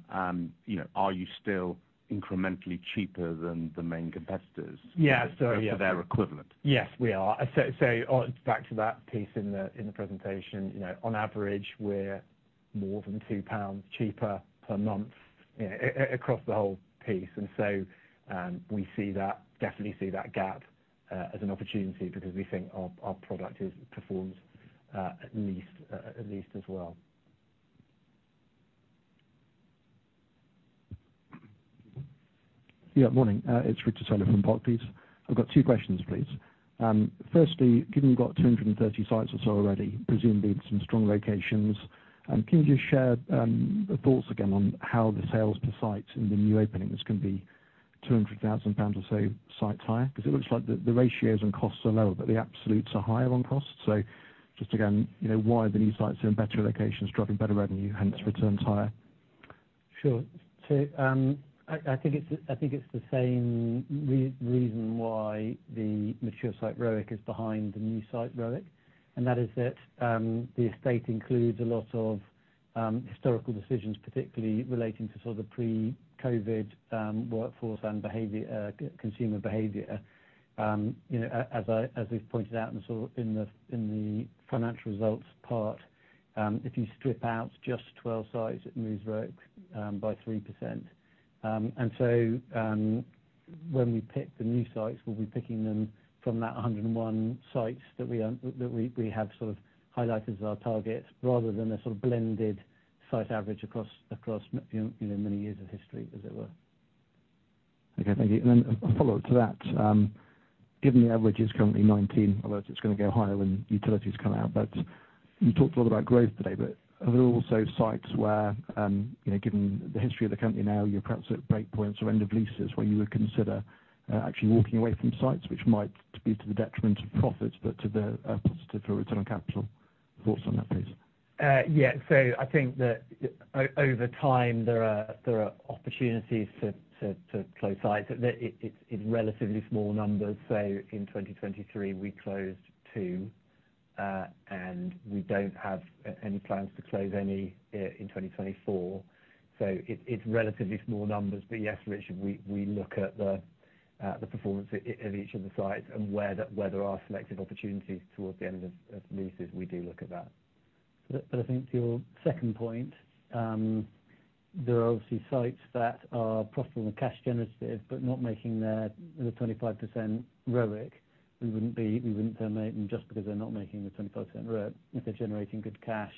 You know, are you still incrementally cheaper than the main competitors? Yeah. So, yeah. For their equivalent. Yes, we are. So, back to that piece in the presentation, you know, on average, we're more than 2 pounds cheaper per month, across the whole piece. And so, we see that, definitely see that gap, as an opportunity because we think our product performs at least as well. Yeah, morning. It's Richard Sellar from Park Place. I've got two questions, please. Firstly, given you've got 230 sites or so already, presumably some strong locations, can you just share your thoughts again on how the sales per site in the new openings can be 200,000 pounds or so sites higher? Because it looks like the ratios and costs are lower, but the absolutes are higher on costs. So just again, you know, why the new sites are in better locations, driving better revenue, hence returns higher. Sure. So, I think it's the same reason why the mature site ROIC is behind the new site ROIC, and that is that the estate includes a lot of historical decisions, particularly relating to sort of the pre-COVID workforce and behavior, consumer behavior. You know, as we've pointed out in the financial results part, if you strip out just 12 sites, it moves ROIC by 3%. And so, when we pick the new sites, we'll be picking them from that 101 sites that we own, that we have sort of highlighted as our targets, rather than a sort of blended site average across, you know, many years of history, as it were. Okay, thank you. And then a follow-up to that. Given the average is currently 19, although it's going to go higher when utilities come out, but you talked a lot about growth today, but are there also sites where, you know, given the history of the company now, you're perhaps at breakpoints or end of leases where you would consider actually walking away from sites which might be to the detriment of profits, but to the positive return on capital. Thoughts on that, please? Yeah. So I think that over time, there are opportunities to close sites. It's in relatively small numbers. So in 2023, we closed 2, and we don't have any plans to close any in 2024. So it's relatively small numbers. But yes, Richard, we look at the performance of each of the sites and where there are selective opportunities towards the end of leases, we do look at that. But I think to your second point, there are obviously sites that are profitable and cash generative, but not making the 25% ROIC. We wouldn't terminate them just because they're not making the 25% ROIC. If they're generating good cash,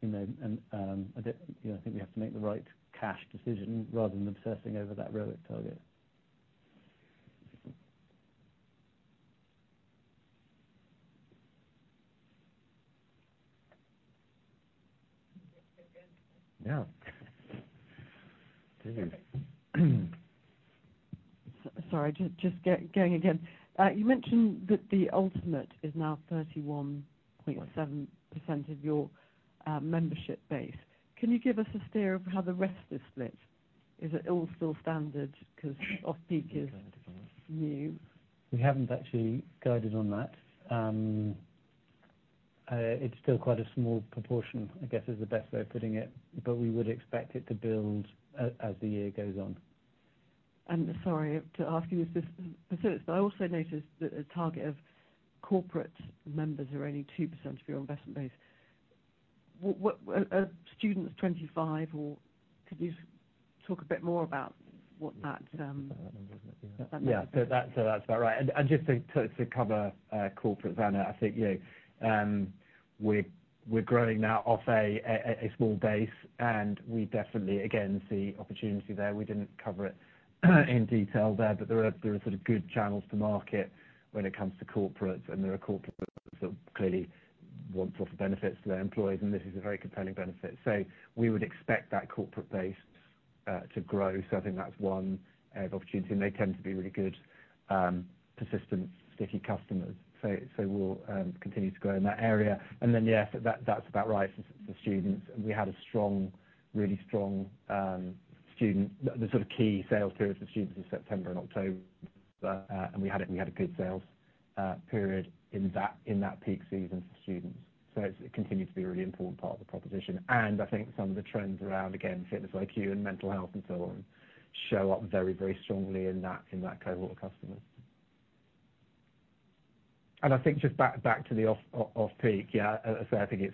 you know, and I think, you know, I think we have to make the right cash decision rather than obsessing over that ROIC target. Yeah. You mentioned that the Ultimate is now 31.7% of your membership base. Can you give us a steer of how the rest is split? Is it all still Standard because Off-Peak is new? We haven't actually guided on that. It's still quite a small proportion, I guess, is the best way of putting it, but we would expect it to build as the year goes on. And sorry to ask you this, but I also noticed that the target of corporate members are only 2% of your membership base. What are students 25, or could you talk a bit more about what that, Yeah. Yeah, so that, so that's about right. And just to cover corporate, Anna, I think, you know, we're growing now off a small base, and we definitely again see opportunity there. We didn't cover it in detail there, but there are sort of good channels to market when it comes to corporates, and there are corporates that clearly want to offer benefits to their employees, and this is a very compelling benefit. So we would expect that corporate base to grow. So I think that's one area of opportunity, and they tend to be really good persistent, sticky customers. So we'll continue to grow in that area. And then, yes, that's about right for students. We had a strong, really strong student— The sort of key sales period for students is September and October, and we had a good sales period in that peak season for students. So it continues to be a really important part of the proposition. And I think some of the trends around, again, fitness, IQ, and mental health and so on, show up very, very strongly in that cohort of customers. And I think just back to the Off-Peak, yeah, as I say, I think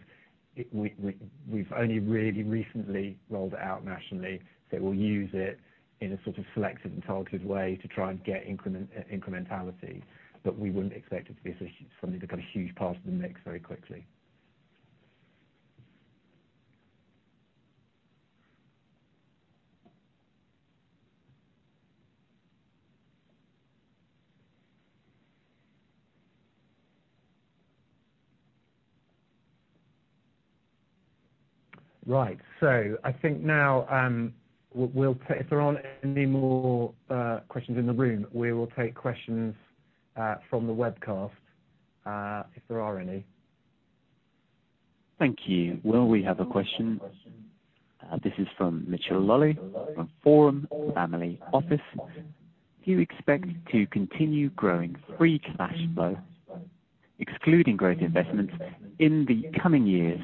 we've only really recently rolled it out nationally, so we'll use it in a sort of selective and targeted way to try and get incrementality, but we wouldn't expect it to be something to become a huge part of the mix very quickly. Right. So I think now we'll take—if there aren't any more questions in the room, we will take questions from the webcast, if there are any. Thank you. Well, we have a question. This is from Mitchell Lally from Forum Family Office: Do you expect to continue growing free cash flow, excluding growth investments, in the coming years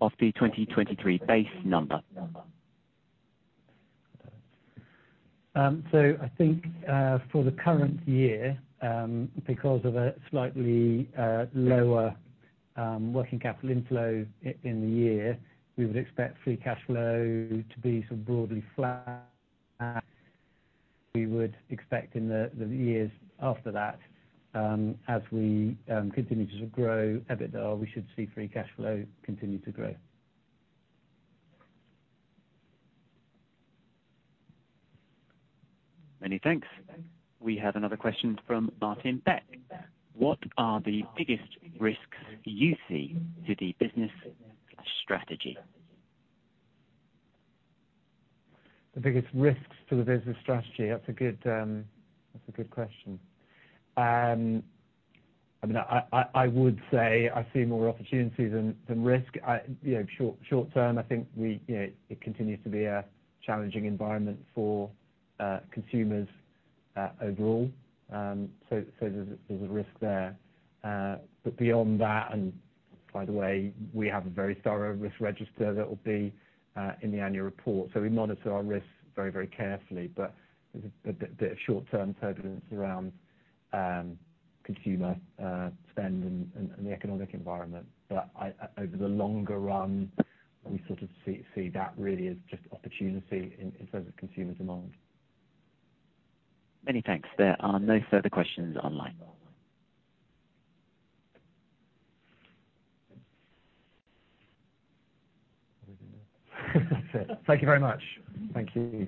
off the 2023 base number? I think, for the current year, because of a slightly lower working capital inflow in the year, we would expect free cash flow to be sort of broadly flat. We would expect in the years after that, as we continue to grow EBITDA, we should see free cash flow continue to grow. Many thanks. We have another question from Martin Beck: What are the biggest risks you see to the business strategy? The biggest risks to the business strategy? That's a good, that's a good question. I mean, I would say I see more opportunities than risk. I, you know, short term, I think we, you know, it continues to be a challenging environment for, consumers, overall. So there's a risk there. But beyond that, and by the way, we have a very thorough risk register that will be, in the annual report. So we monitor our risks very, very carefully, but there's a bit of short-term turbulence around, consumer spend and the economic environment. But I, over the longer run, we sort of see that really as just opportunity in terms of consumer demand. Many thanks. There are no further questions online. Thank you very much. Thank you.